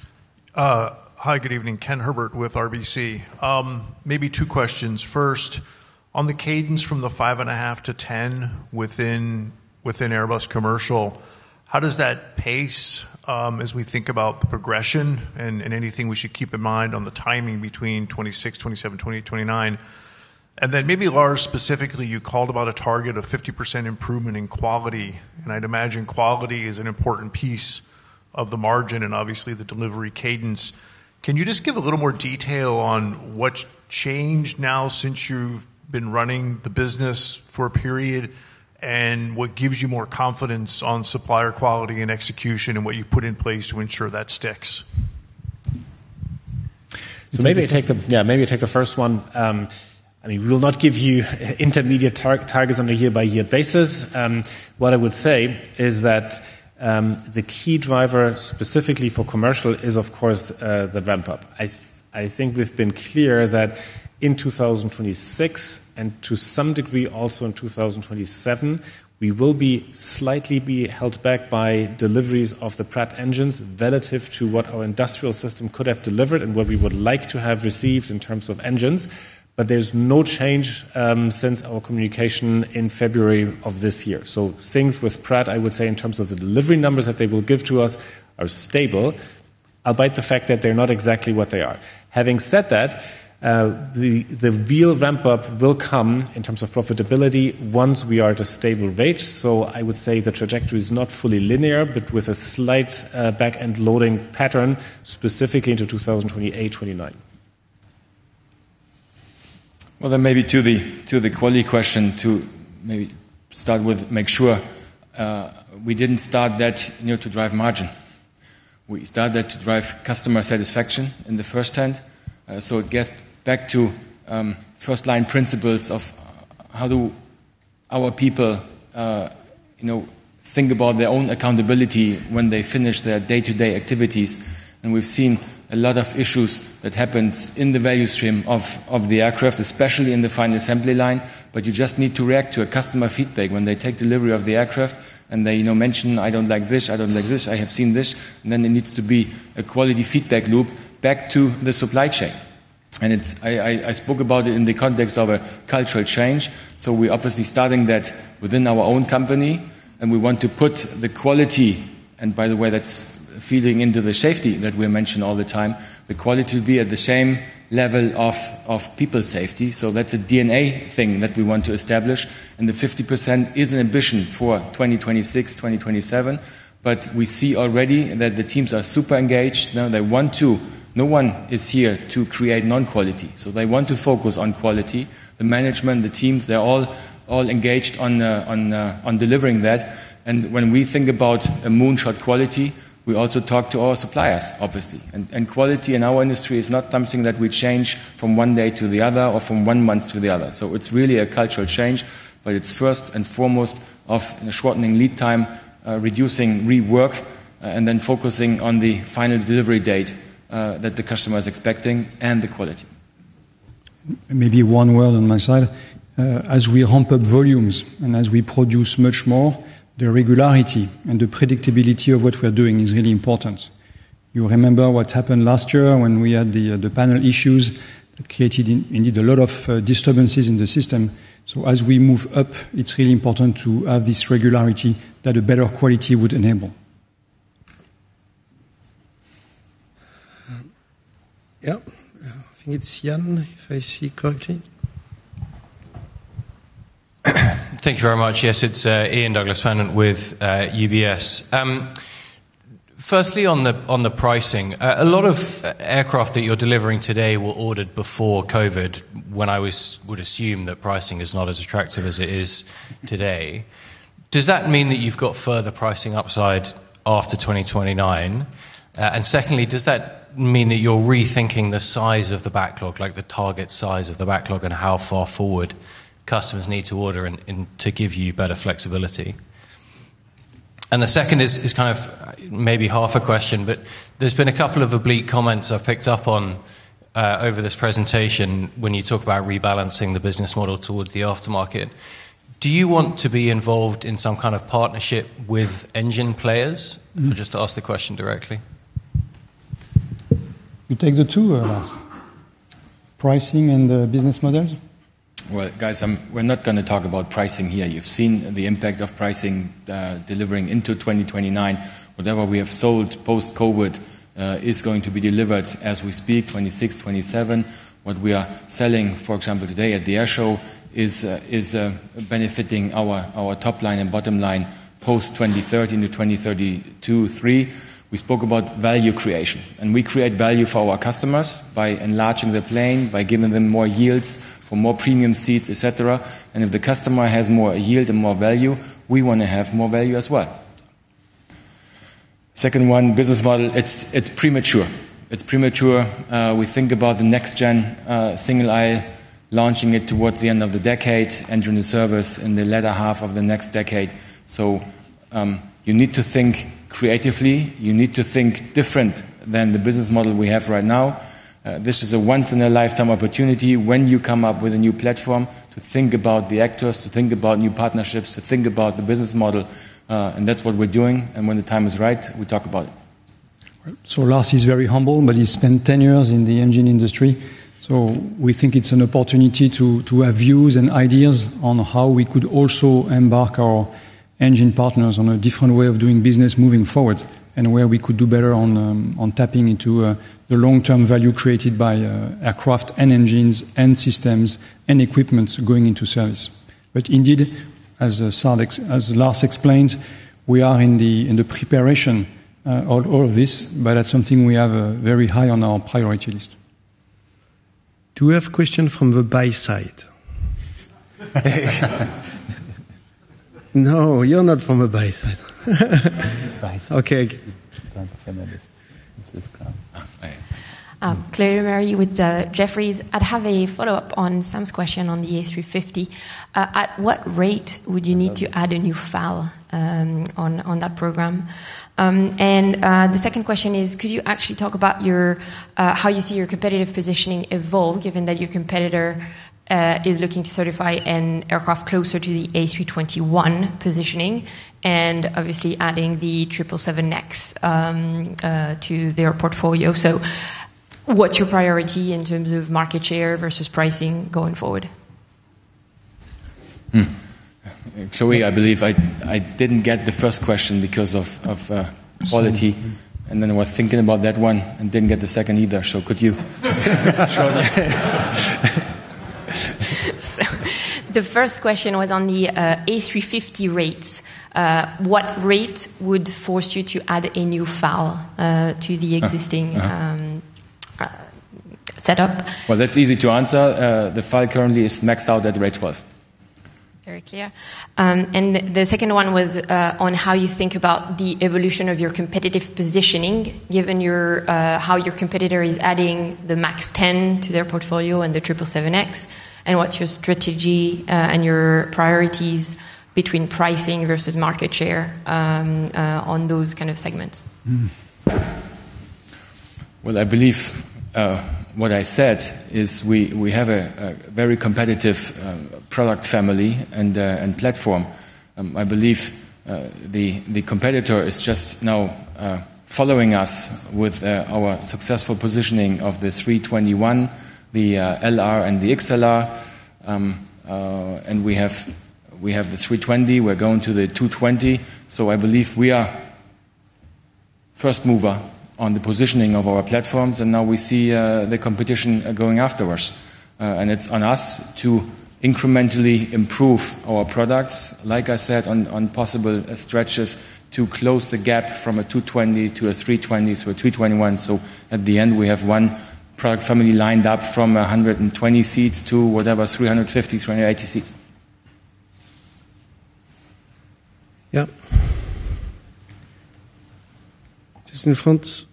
S12: Hi, good evening. Ken Herbert with RBC. Maybe two questions. First, on the cadence from the 5.5 billion-10 billion within Airbus Commercial, how does that pace, as we think about the progression and anything we should keep in mind on the timing between 2026, 2027, 2029? Maybe Lars, specifically, you called about a target of 50% improvement in quality, and I'd imagine quality is an important piece of the margin and obviously the delivery cadence. Can you just give a little more detail on what's changed now since you've been running the business for a period, and what gives you more confidence on supplier quality and execution, and what you've put in place to ensure that sticks?
S3: Maybe I take the first one. We will not give you intermediate targets on a year-by-year basis. What I would say is that the key driver specifically for commercial is, of course, the ramp up. I think we've been clear that in 2026, and to some degree also in 2027, we will be slightly be held back by deliveries of the Pratt engines relative to what our industrial system could have delivered and what we would like to have received in terms of engines. There's no change since our communication in February of this year. Things with Pratt, I would say, in terms of the delivery numbers that they will give to us are stable, albeit the fact that they're not exactly what they are. Having said that, the real ramp-up will come in terms of profitability once we are at a stable rate. I would say the trajectory is not fully linear, but with a slight back-end loading pattern, specifically into 2028, 2029.
S4: Maybe to the quality question, to maybe start with, make sure, we didn't start that to drive margin. We started that to drive customer satisfaction in the first hand. It gets back to first line principles of how do our people think about their own accountability when they finish their day-to-day activities, and we've seen a lot of issues that happens in the value stream of the aircraft, especially in the final assembly line. You just need to react to a customer feedback when they take delivery of the aircraft and they mention, "I don't like this, I don't like this. I have seen this." There needs to be a quality feedback loop back to the supply chain. I spoke about it in the context of a cultural change, we're obviously starting that within our own company, and we want to put the quality, and by the way, that's feeding into the safety that we mention all the time. The quality will be at the same level of people safety. That's a DNA thing that we want to establish, and the 50% is an ambition for 2026, 2027. We see already that the teams are super engaged. No one is here to create non-quality. They want to focus on quality. The management, the teams, they're all engaged on delivering that. When we think about a moonshot quality, we also talk to our suppliers, obviously. Quality in our industry is not something that we change from one day to the other or from one month to the other. It's really a cultural change, but it's first and foremost of shortening lead time, reducing rework, and then focusing on the final delivery date that the customer is expecting and the quality.
S2: Maybe one word on my side. As we ramp up volumes and as we produce much more, the regularity and the predictability of what we're doing is really important. You remember what happened last year when we had the panel issues that created, indeed, a lot of disturbances in the system. As we move up, it's really important to have this regularity that a better quality would enable.
S1: Yeah. I think it's Ian, if I see correctly.
S13: Thank you very much. Yes, it's Ian Douglas-Pennant, with UBS. Firstly, on the pricing, a lot of aircraft that you're delivering today were ordered before COVID, when I would assume that pricing is not as attractive as it is today. Does that mean that you've got further pricing upside after 2029? Secondly, does that mean that you're rethinking the size of the backlog, like the target size of the backlog, and how far forward customers need to order and to give you better flexibility? The second is maybe half a question, but there's been a couple of oblique comments I've picked up on over this presentation when you talk about rebalancing the business model towards the aftermarket. Do you want to be involved in some kind of partnership with engine players? Just to ask the question directly.
S2: You take the two, Lars. Pricing and the business models.
S4: Well, guys, we're not going to talk about pricing here. You've seen the impact of pricing, delivering into 2029. Whatever we have sold post-COVID is going to be delivered as we speak, 2026, 2027. What we are selling, for example, today at the air show is benefiting our top line and bottom line post-2030 to 2032-2033. We spoke about value creation, and we create value for our customers by enlarging the plane, by giving them more yields for more premium seats, et cetera. If the customer has more yield and more value, we want to have more value as well. Second one, business model, it's premature. It's premature. We think about the next gen single aisle, launching it towards the end of the decade, entering the service in the latter half of the next decade. You need to think creatively. You need to think different than the business model we have right now. This is a once in a lifetime opportunity when you come up with a new platform to think about the actors, to think about new partnerships, to think about the business model. That's what we're doing. When the time is right, we talk about it.
S2: Lars is very humble, but he spent 10 years in the engine industry. We think it's an opportunity to have views and ideas on how we could also embark our engine partners on a different way of doing business moving forward, and where we could do better on tapping into the long-term value created by aircraft and engines and systems and equipments going into service. Indeed, as Lars explains, we are in the preparation of all of this, but that's something we have very high on our priority list.
S1: Do we have question from the buy side? No, you're not from a buy side. Okay.
S4: Turn to feminist. It's this crowd.
S14: Chloé Lemarié with Jefferies. I'd have a follow-up on Sam's question on the A350. At what rate would you need to add a new FAL on that program? The second question is, could you actually talk about how you see your competitive positioning evolve, given that your competitor is looking to certify an aircraft closer to the A321 positioning, and obviously adding the 777X to their portfolio. What's your priority in terms of market share versus pricing going forward?
S4: Chloé, I believe I didn't get the first question because of quality. Then I was thinking about that one and didn't get the second either. Could you?
S14: The first question was on the A350 rates. What rate would force you to add a new FAL to the existing setup?
S4: Well, that's easy to answer. The FAL currently is maxed out at rate 12.
S14: Very clear. The second one was on how you think about the evolution of your competitive positioning, given how your competitor is adding the MAX 10 to their portfolio and the 777X. What's your strategy and your priorities between pricing versus market share on those kind of segments?
S4: Well, I believe what I said is we have a very competitive product family and platform. I believe the competitor is just now following us with our successful positioning of the A321, the A321LR, and the A321XLR. We have the A320. We're going to the A220. I believe we are first mover on the positioning of our platforms, now we see the competition going afterwards. It's on us to incrementally improve our products, like I said, on possible stretches to close the gap from an A220 to an A320, an A321, at the end, we have one product family lined up from 120 seats to whatever, 350, 380 seats.
S1: Yeah. Just in front.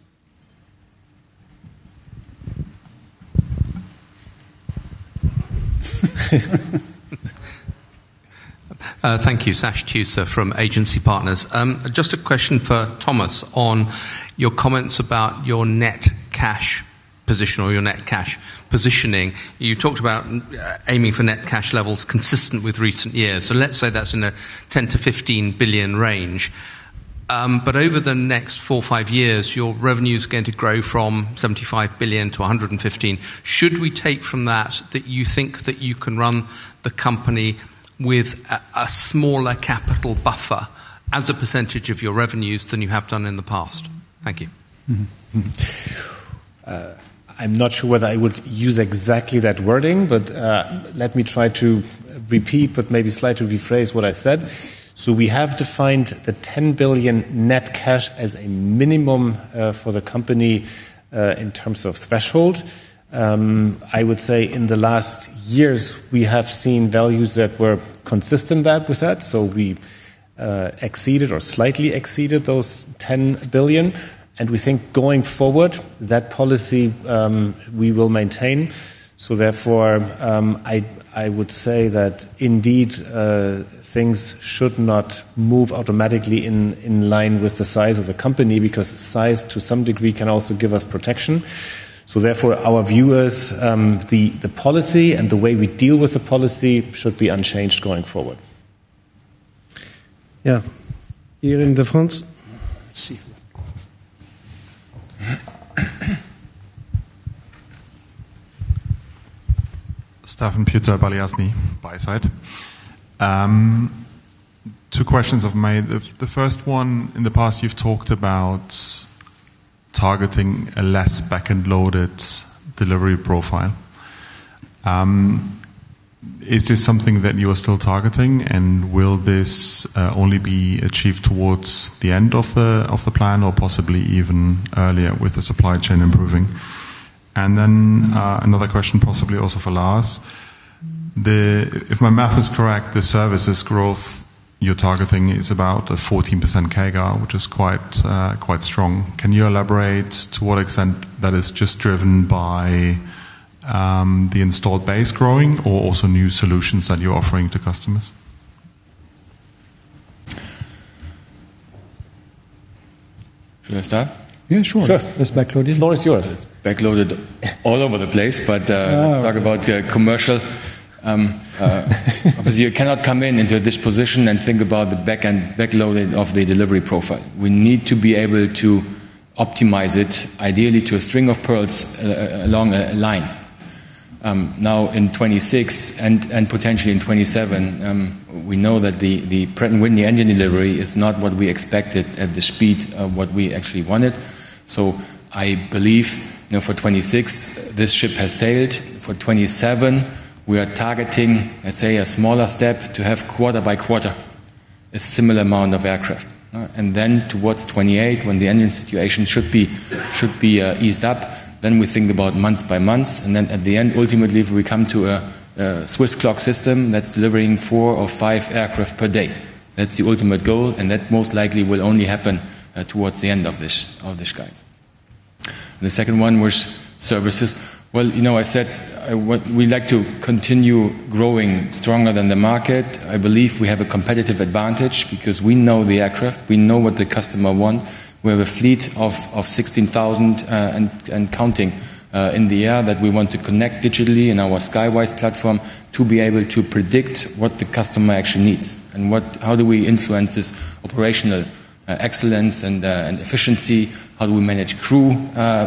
S15: Thank you. Sash Tusa from Agency Partners. A question for Thomas on your comments about your net cash position or your net cash positioning. You talked about aiming for net cash levels consistent with recent years. Let's say that's in a 10 billion-15 billion range. Over the next four or five years, your revenue's going to grow from 75 billion to 115 billion. Should we take from that you think that you can run the company with a smaller capital buffer as a percentage of your revenues than you have done in the past? Thank you.
S3: I'm not sure whether I would use exactly that wording, let me try to repeat, maybe slightly rephrase what I said. We have defined the 10 billion net cash as a minimum for the company, in terms of threshold. I would say in the last years, we have seen values that were consistent with that. We exceeded or slightly exceeded those 10 billion, we think going forward, that policy we will maintain. Therefore, I would say that indeed, things should not move automatically in line with the size of the company, because size, to some degree, can also give us protection. Therefore, our view is the policy and the way we deal with the policy should be unchanged going forward.
S1: Yeah. Here in the front. Let's see.
S16: Stephan Puetter, Balyasny, buy side. Two questions of mine. The first one, in the past, you've talked about targeting a less backend-loaded delivery profile. Is this something that you are still targeting? Will this only be achieved towards the end of the plan or possibly even earlier with the supply chain improving? Another question possibly also for Lars. If my math is correct, the services growth you're targeting is about a 14% CAGR, which is quite strong. Can you elaborate to what extent that is just driven by the installed base growing or also new solutions that you're offering to customers?
S4: Should I start?
S2: Yeah, sure.
S4: Sure.
S2: It's backloaded. The floor is yours.
S4: Backloaded all over the place.
S2: Oh.
S4: Let's talk about commercial. Obviously, you cannot come into this position and think about the backloading of the delivery profile. We need to be able to optimize it, ideally to a string of pearls along a line. Now, in 2026 and potentially in 2027, we know that the Pratt & Whitney engine delivery is not what we expected at the speed of what we actually wanted. I believe, for 2026, this ship has sailed. For 2027, we are targeting, let's say, a smaller step to have quarter by quarter, a similar amount of aircraft. Towards 2028, when the engine situation should be eased up, we think about month by month, and then at the end, ultimately, if we come to a Swiss clock system that's delivering four or five aircraft per day. That's the ultimate goal. That most likely will only happen towards the end of this guide. The second one was services. Well, I said we'd like to continue growing stronger than the market. I believe we have a competitive advantage because we know the aircraft. We know what the customer wants. We have a fleet of 16,000 and counting in the air that we want to connect digitally in our Skywise platform to be able to predict what the customer actually needs. How do we influence this operational excellence and efficiency? How do we manage crew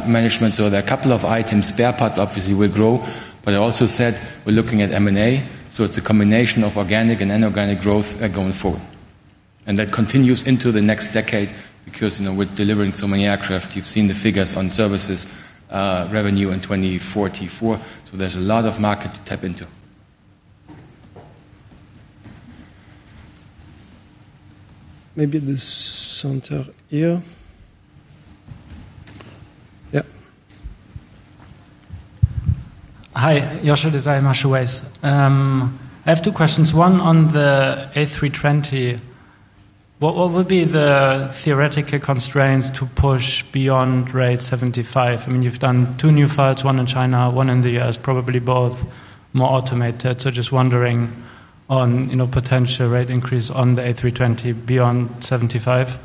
S4: management? There are a couple of items. Spare parts obviously will grow. I also said we're looking at M&A, so it's a combination of organic and inorganic growth going forward. That continues into the next decade because, we're delivering so many aircraft. You've seen the figures on services revenue in 2044. There's a lot of market to tap into.
S1: Maybe this center here. Yeah.
S17: Hi. [Jochen Wermuth]. I have two questions, one on the A320. What would be the theoretical constraints to push beyond rate 75? You've done two new flights, one in China, one in the U.S., probably both more automated. Just wondering on potential rate increase on the A320 beyond 75.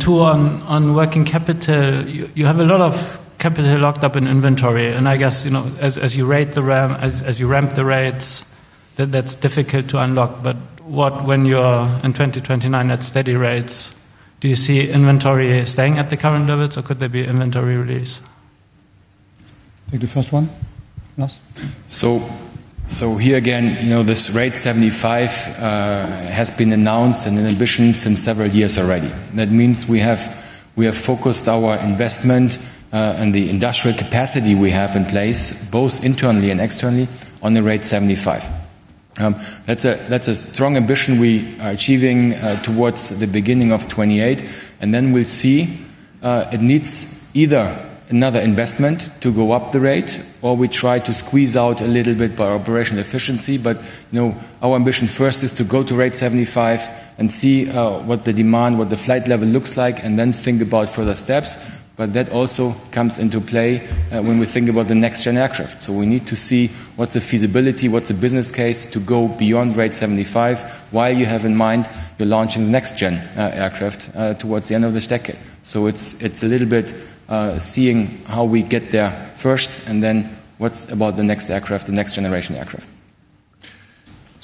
S17: Two, on working capital, you have a lot of capital locked up in inventory, and I guess, as you ramp the rates, that's difficult to unlock. What when you're in 2029 at steady rates, do you see inventory staying at the current levels, or could there be inventory release?
S2: Take the first one, Lars?
S4: Here again, this rate 75 has been announced and an ambition since several years already. That means we have focused our investment, and the industrial capacity we have in place, both internally and externally, on the rate 75. That's a strong ambition we are achieving towards the beginning of 2028, and then we'll see. It needs either another investment to go up the rate, or we try to squeeze out a little bit by operational efficiency. Our ambition first is to go to rate 75 and see what the demand, what the flight level looks like, and then think about further steps. That also comes into play when we think about the next-gen aircraft. We need to see what's the feasibility, what's the business case to go beyond rate 75, while you have in mind you're launching the next-gen aircraft towards the end of this decade. It's a little bit seeing how we get there first and then what about the next aircraft, the next generation aircraft.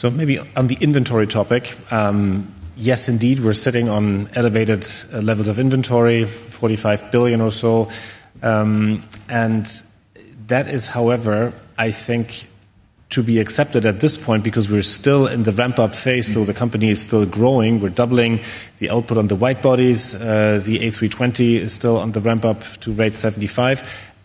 S3: Maybe on the inventory topic, yes, indeed, we're sitting on elevated levels of inventory, 45 billion or so. That is, however, I think, to be accepted at this point because we're still in the ramp-up phase, the company is still growing. We're doubling the output on the wide-bodies. The A320 is still on the ramp-up to rate 75,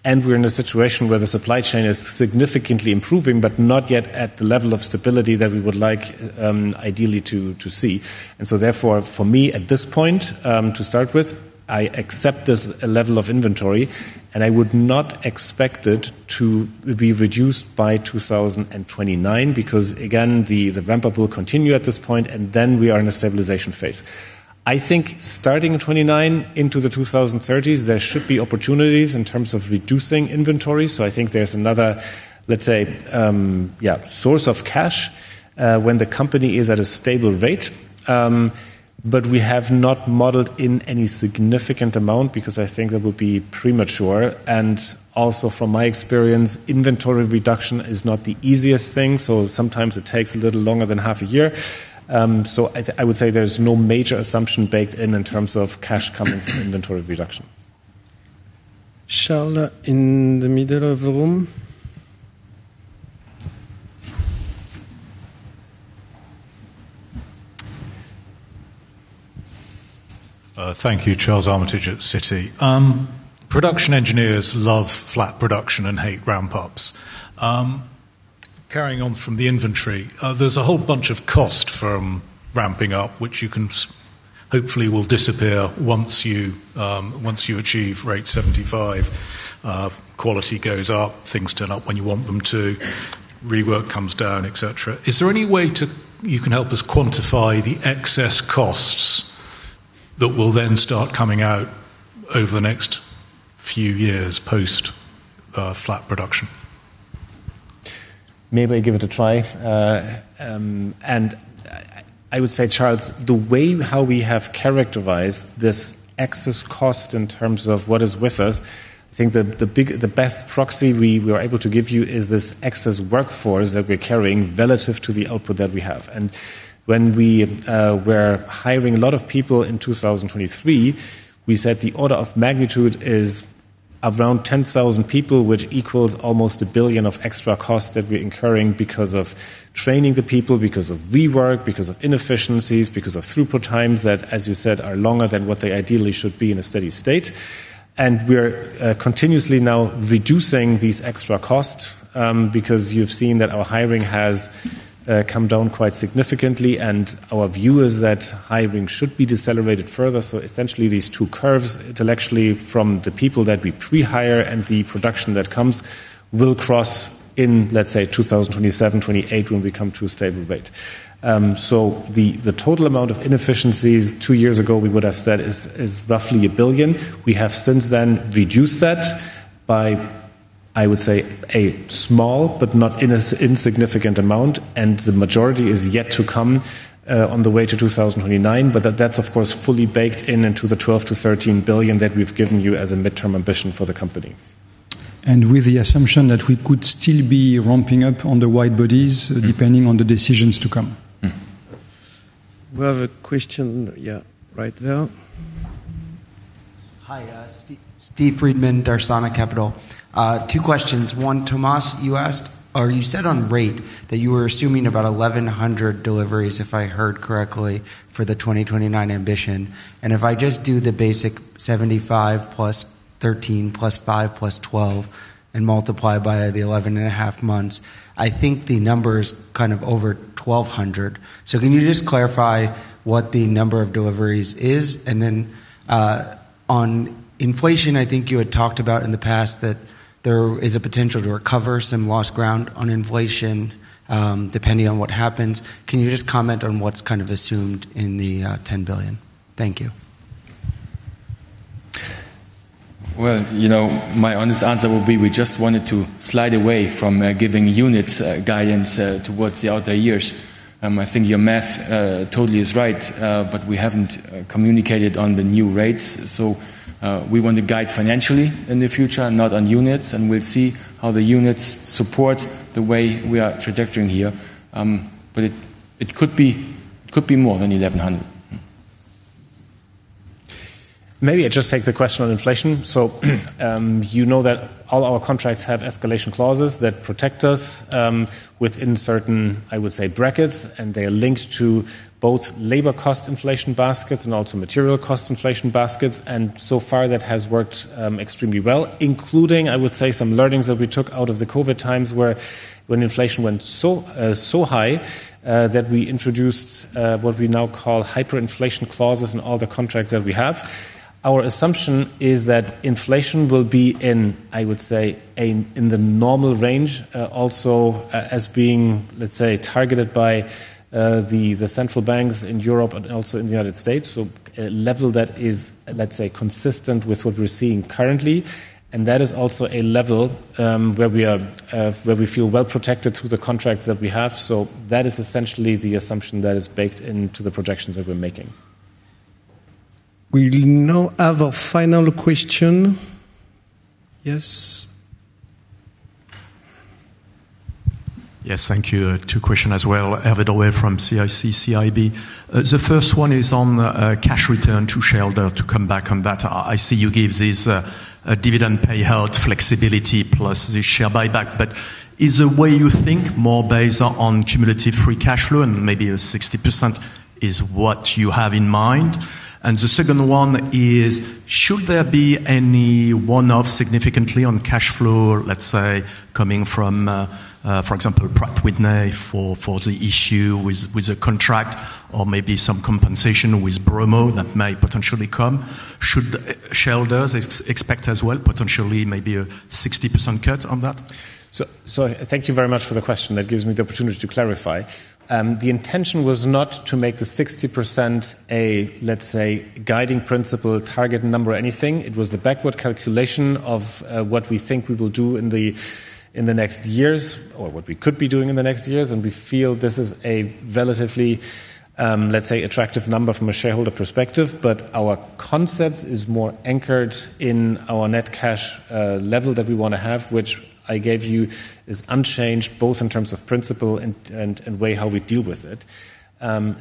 S3: we're in a situation where the supply chain is significantly improving, but not yet at the level of stability that we would like, ideally, to see. Therefore, for me, at this point, to start with, I accept this level of inventory, I would not expect it to be reduced by 2029 because, again, the ramp-up will continue at this point, then we are in a stabilization phase. I think starting 2029 into the 2030s, there should be opportunities in terms of reducing inventory. I think there's another, let's say, source of cash when the company is at a stable rate. We have not modeled in any significant amount because I think that would be premature. Also from my experience, inventory reduction is not the easiest thing, sometimes it takes a little longer than half a year. I would say there's no major assumption baked in terms of cash coming from inventory reduction.
S1: Charles, in the middle of the room.
S18: Thank you. Charles Armitage at Citi. Production engineers love flat production and hate ramp-ups. Carrying on from the inventory, there is a whole bunch of cost from ramping up, which hopefully will disappear once you achieve rate 75. Quality goes up, things turn up when you want them to, rework comes down, et cetera. Is there any way you can help us quantify the excess costs that will then start coming out over the next few years post flat production?
S3: May I give it a try? I would say, Charles, the way how we have characterized this excess cost in terms of what is with us, I think the best proxy we are able to give you is this excess workforce that we are carrying relative to the output that we have. When we were hiring a lot of people in 2023, we said the order of magnitude is around 10,000 people, which equals almost 1 billion of extra costs that we are incurring because of training the people, because of rework, because of inefficiencies, because of throughput times that, as you said, are longer than what they ideally should be in a steady state. We are continuously now reducing these extra costs, because you have seen that our hiring has come down quite significantly, our view is that hiring should be decelerated further. Essentially, these two curves, intellectually, from the people that we pre-hire and the production that comes, will cross in, let's say, 2027, 2028, when we come to a stable rate. The total amount of inefficiencies two years ago, we would have said is roughly 1 billion. We have since then reduced that by, I would say, a small, but not an insignificant amount, the majority is yet to come on the way to 2029. That is of course, fully baked into the 12 billion-13 billion that we have given you as a midterm ambition for the company.
S4: With the assumption that we could still be ramping up on the wide-bodies, depending on the decisions to come.
S1: We have a question, yeah, right there.
S19: Hi, Steve Friedman, Darsana Capital. Two questions. One, Thomas, you said on rate that you were assuming about 1,100 deliveries, if I heard correctly, for the 2029 ambition. If I just do the basic 75 + 13 + 5 + 12 and multiply by the 11.5 months, I think the number's over 1,200. Can you just clarify what the number of deliveries is? On inflation, I think you had talked about in the past that there is a potential to recover some lost ground on inflation, depending on what happens. Can you just comment on what's assumed in the 10 billion? Thank you.
S4: Well, my honest answer will be, we just wanted to slide away from giving units guidance towards the outer years. I think your math totally is right. We haven't communicated on the new rates, so we want to guide financially in the future, not on units, and we'll see how the units support the way we are trajecting here. It could be more than 1,100.
S3: Maybe I just take the question on inflation. You know that all our contracts have escalation clauses that protect us, within certain, I would say, brackets, and they are linked to both labor cost inflation baskets and also material cost inflation baskets. So far, that has worked extremely well, including, I would say, some learnings that we took out of the COVID times, where when inflation went so high, that we introduced what we now call hyperinflation clauses in all the contracts that we have. Our assumption is that inflation will be in, I would say, in the normal range, also as being, let's say, targeted by the central banks in Europe and also in the United States. A level that is, let's say, consistent with what we're seeing currently, and that is also a level, where we feel well protected through the contracts that we have. That is essentially the assumption that is baked into the projections that we're making.
S1: We now have a final question. Yes?
S20: Yes. Thank you. Two questions as well. [Herbert Oel] from CIC CIB. The first one is on cash return to shareholder, to come back on that. I see you give this dividend payout flexibility plus the share buyback. Is the way you think more based on cumulative free cash flow and maybe a 60% is what you have in mind? The second one is, should there be any one-off significantly on cash flow, let's say, coming from, for example, Pratt & Whitney for the issue with the contract? Or maybe some compensation with Bromo that may potentially come. Should shareholders expect as well, potentially maybe a 60% cut on that?
S3: Thank you very much for the question. That gives me the opportunity to clarify. The intention was not to make the 60% a, let's say, guiding principle, target number or anything. It was the backward calculation of what we think we will do in the next years or what we could be doing in the next years. We feel this is a relatively, let's say, attractive number from a shareholder perspective. Our concept is more anchored in our net cash level that we want to have, which I gave you is unchanged, both in terms of principle and way how we deal with it.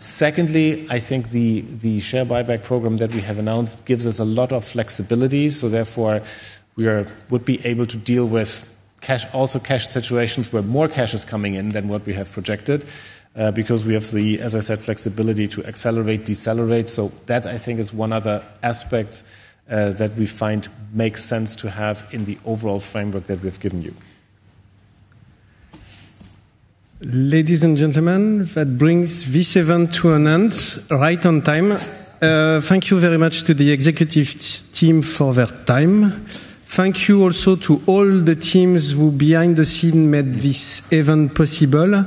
S3: Secondly, I think the share buyback program that we have announced gives us a lot of flexibility. Therefore, we would be able to deal with also cash situations where more cash is coming in than what we have projected. Because we have the, as I said, flexibility to accelerate, decelerate. That I think is one other aspect that we find makes sense to have in the overall framework that we've given you.
S1: Ladies and gentlemen, that brings this event to an end right on time. Thank you very much to the executive team for their time. Thank you also to all the teams who behind the scene made this event possible.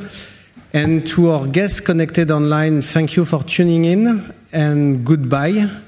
S1: To our guests connected online, thank you for tuning in and goodbye.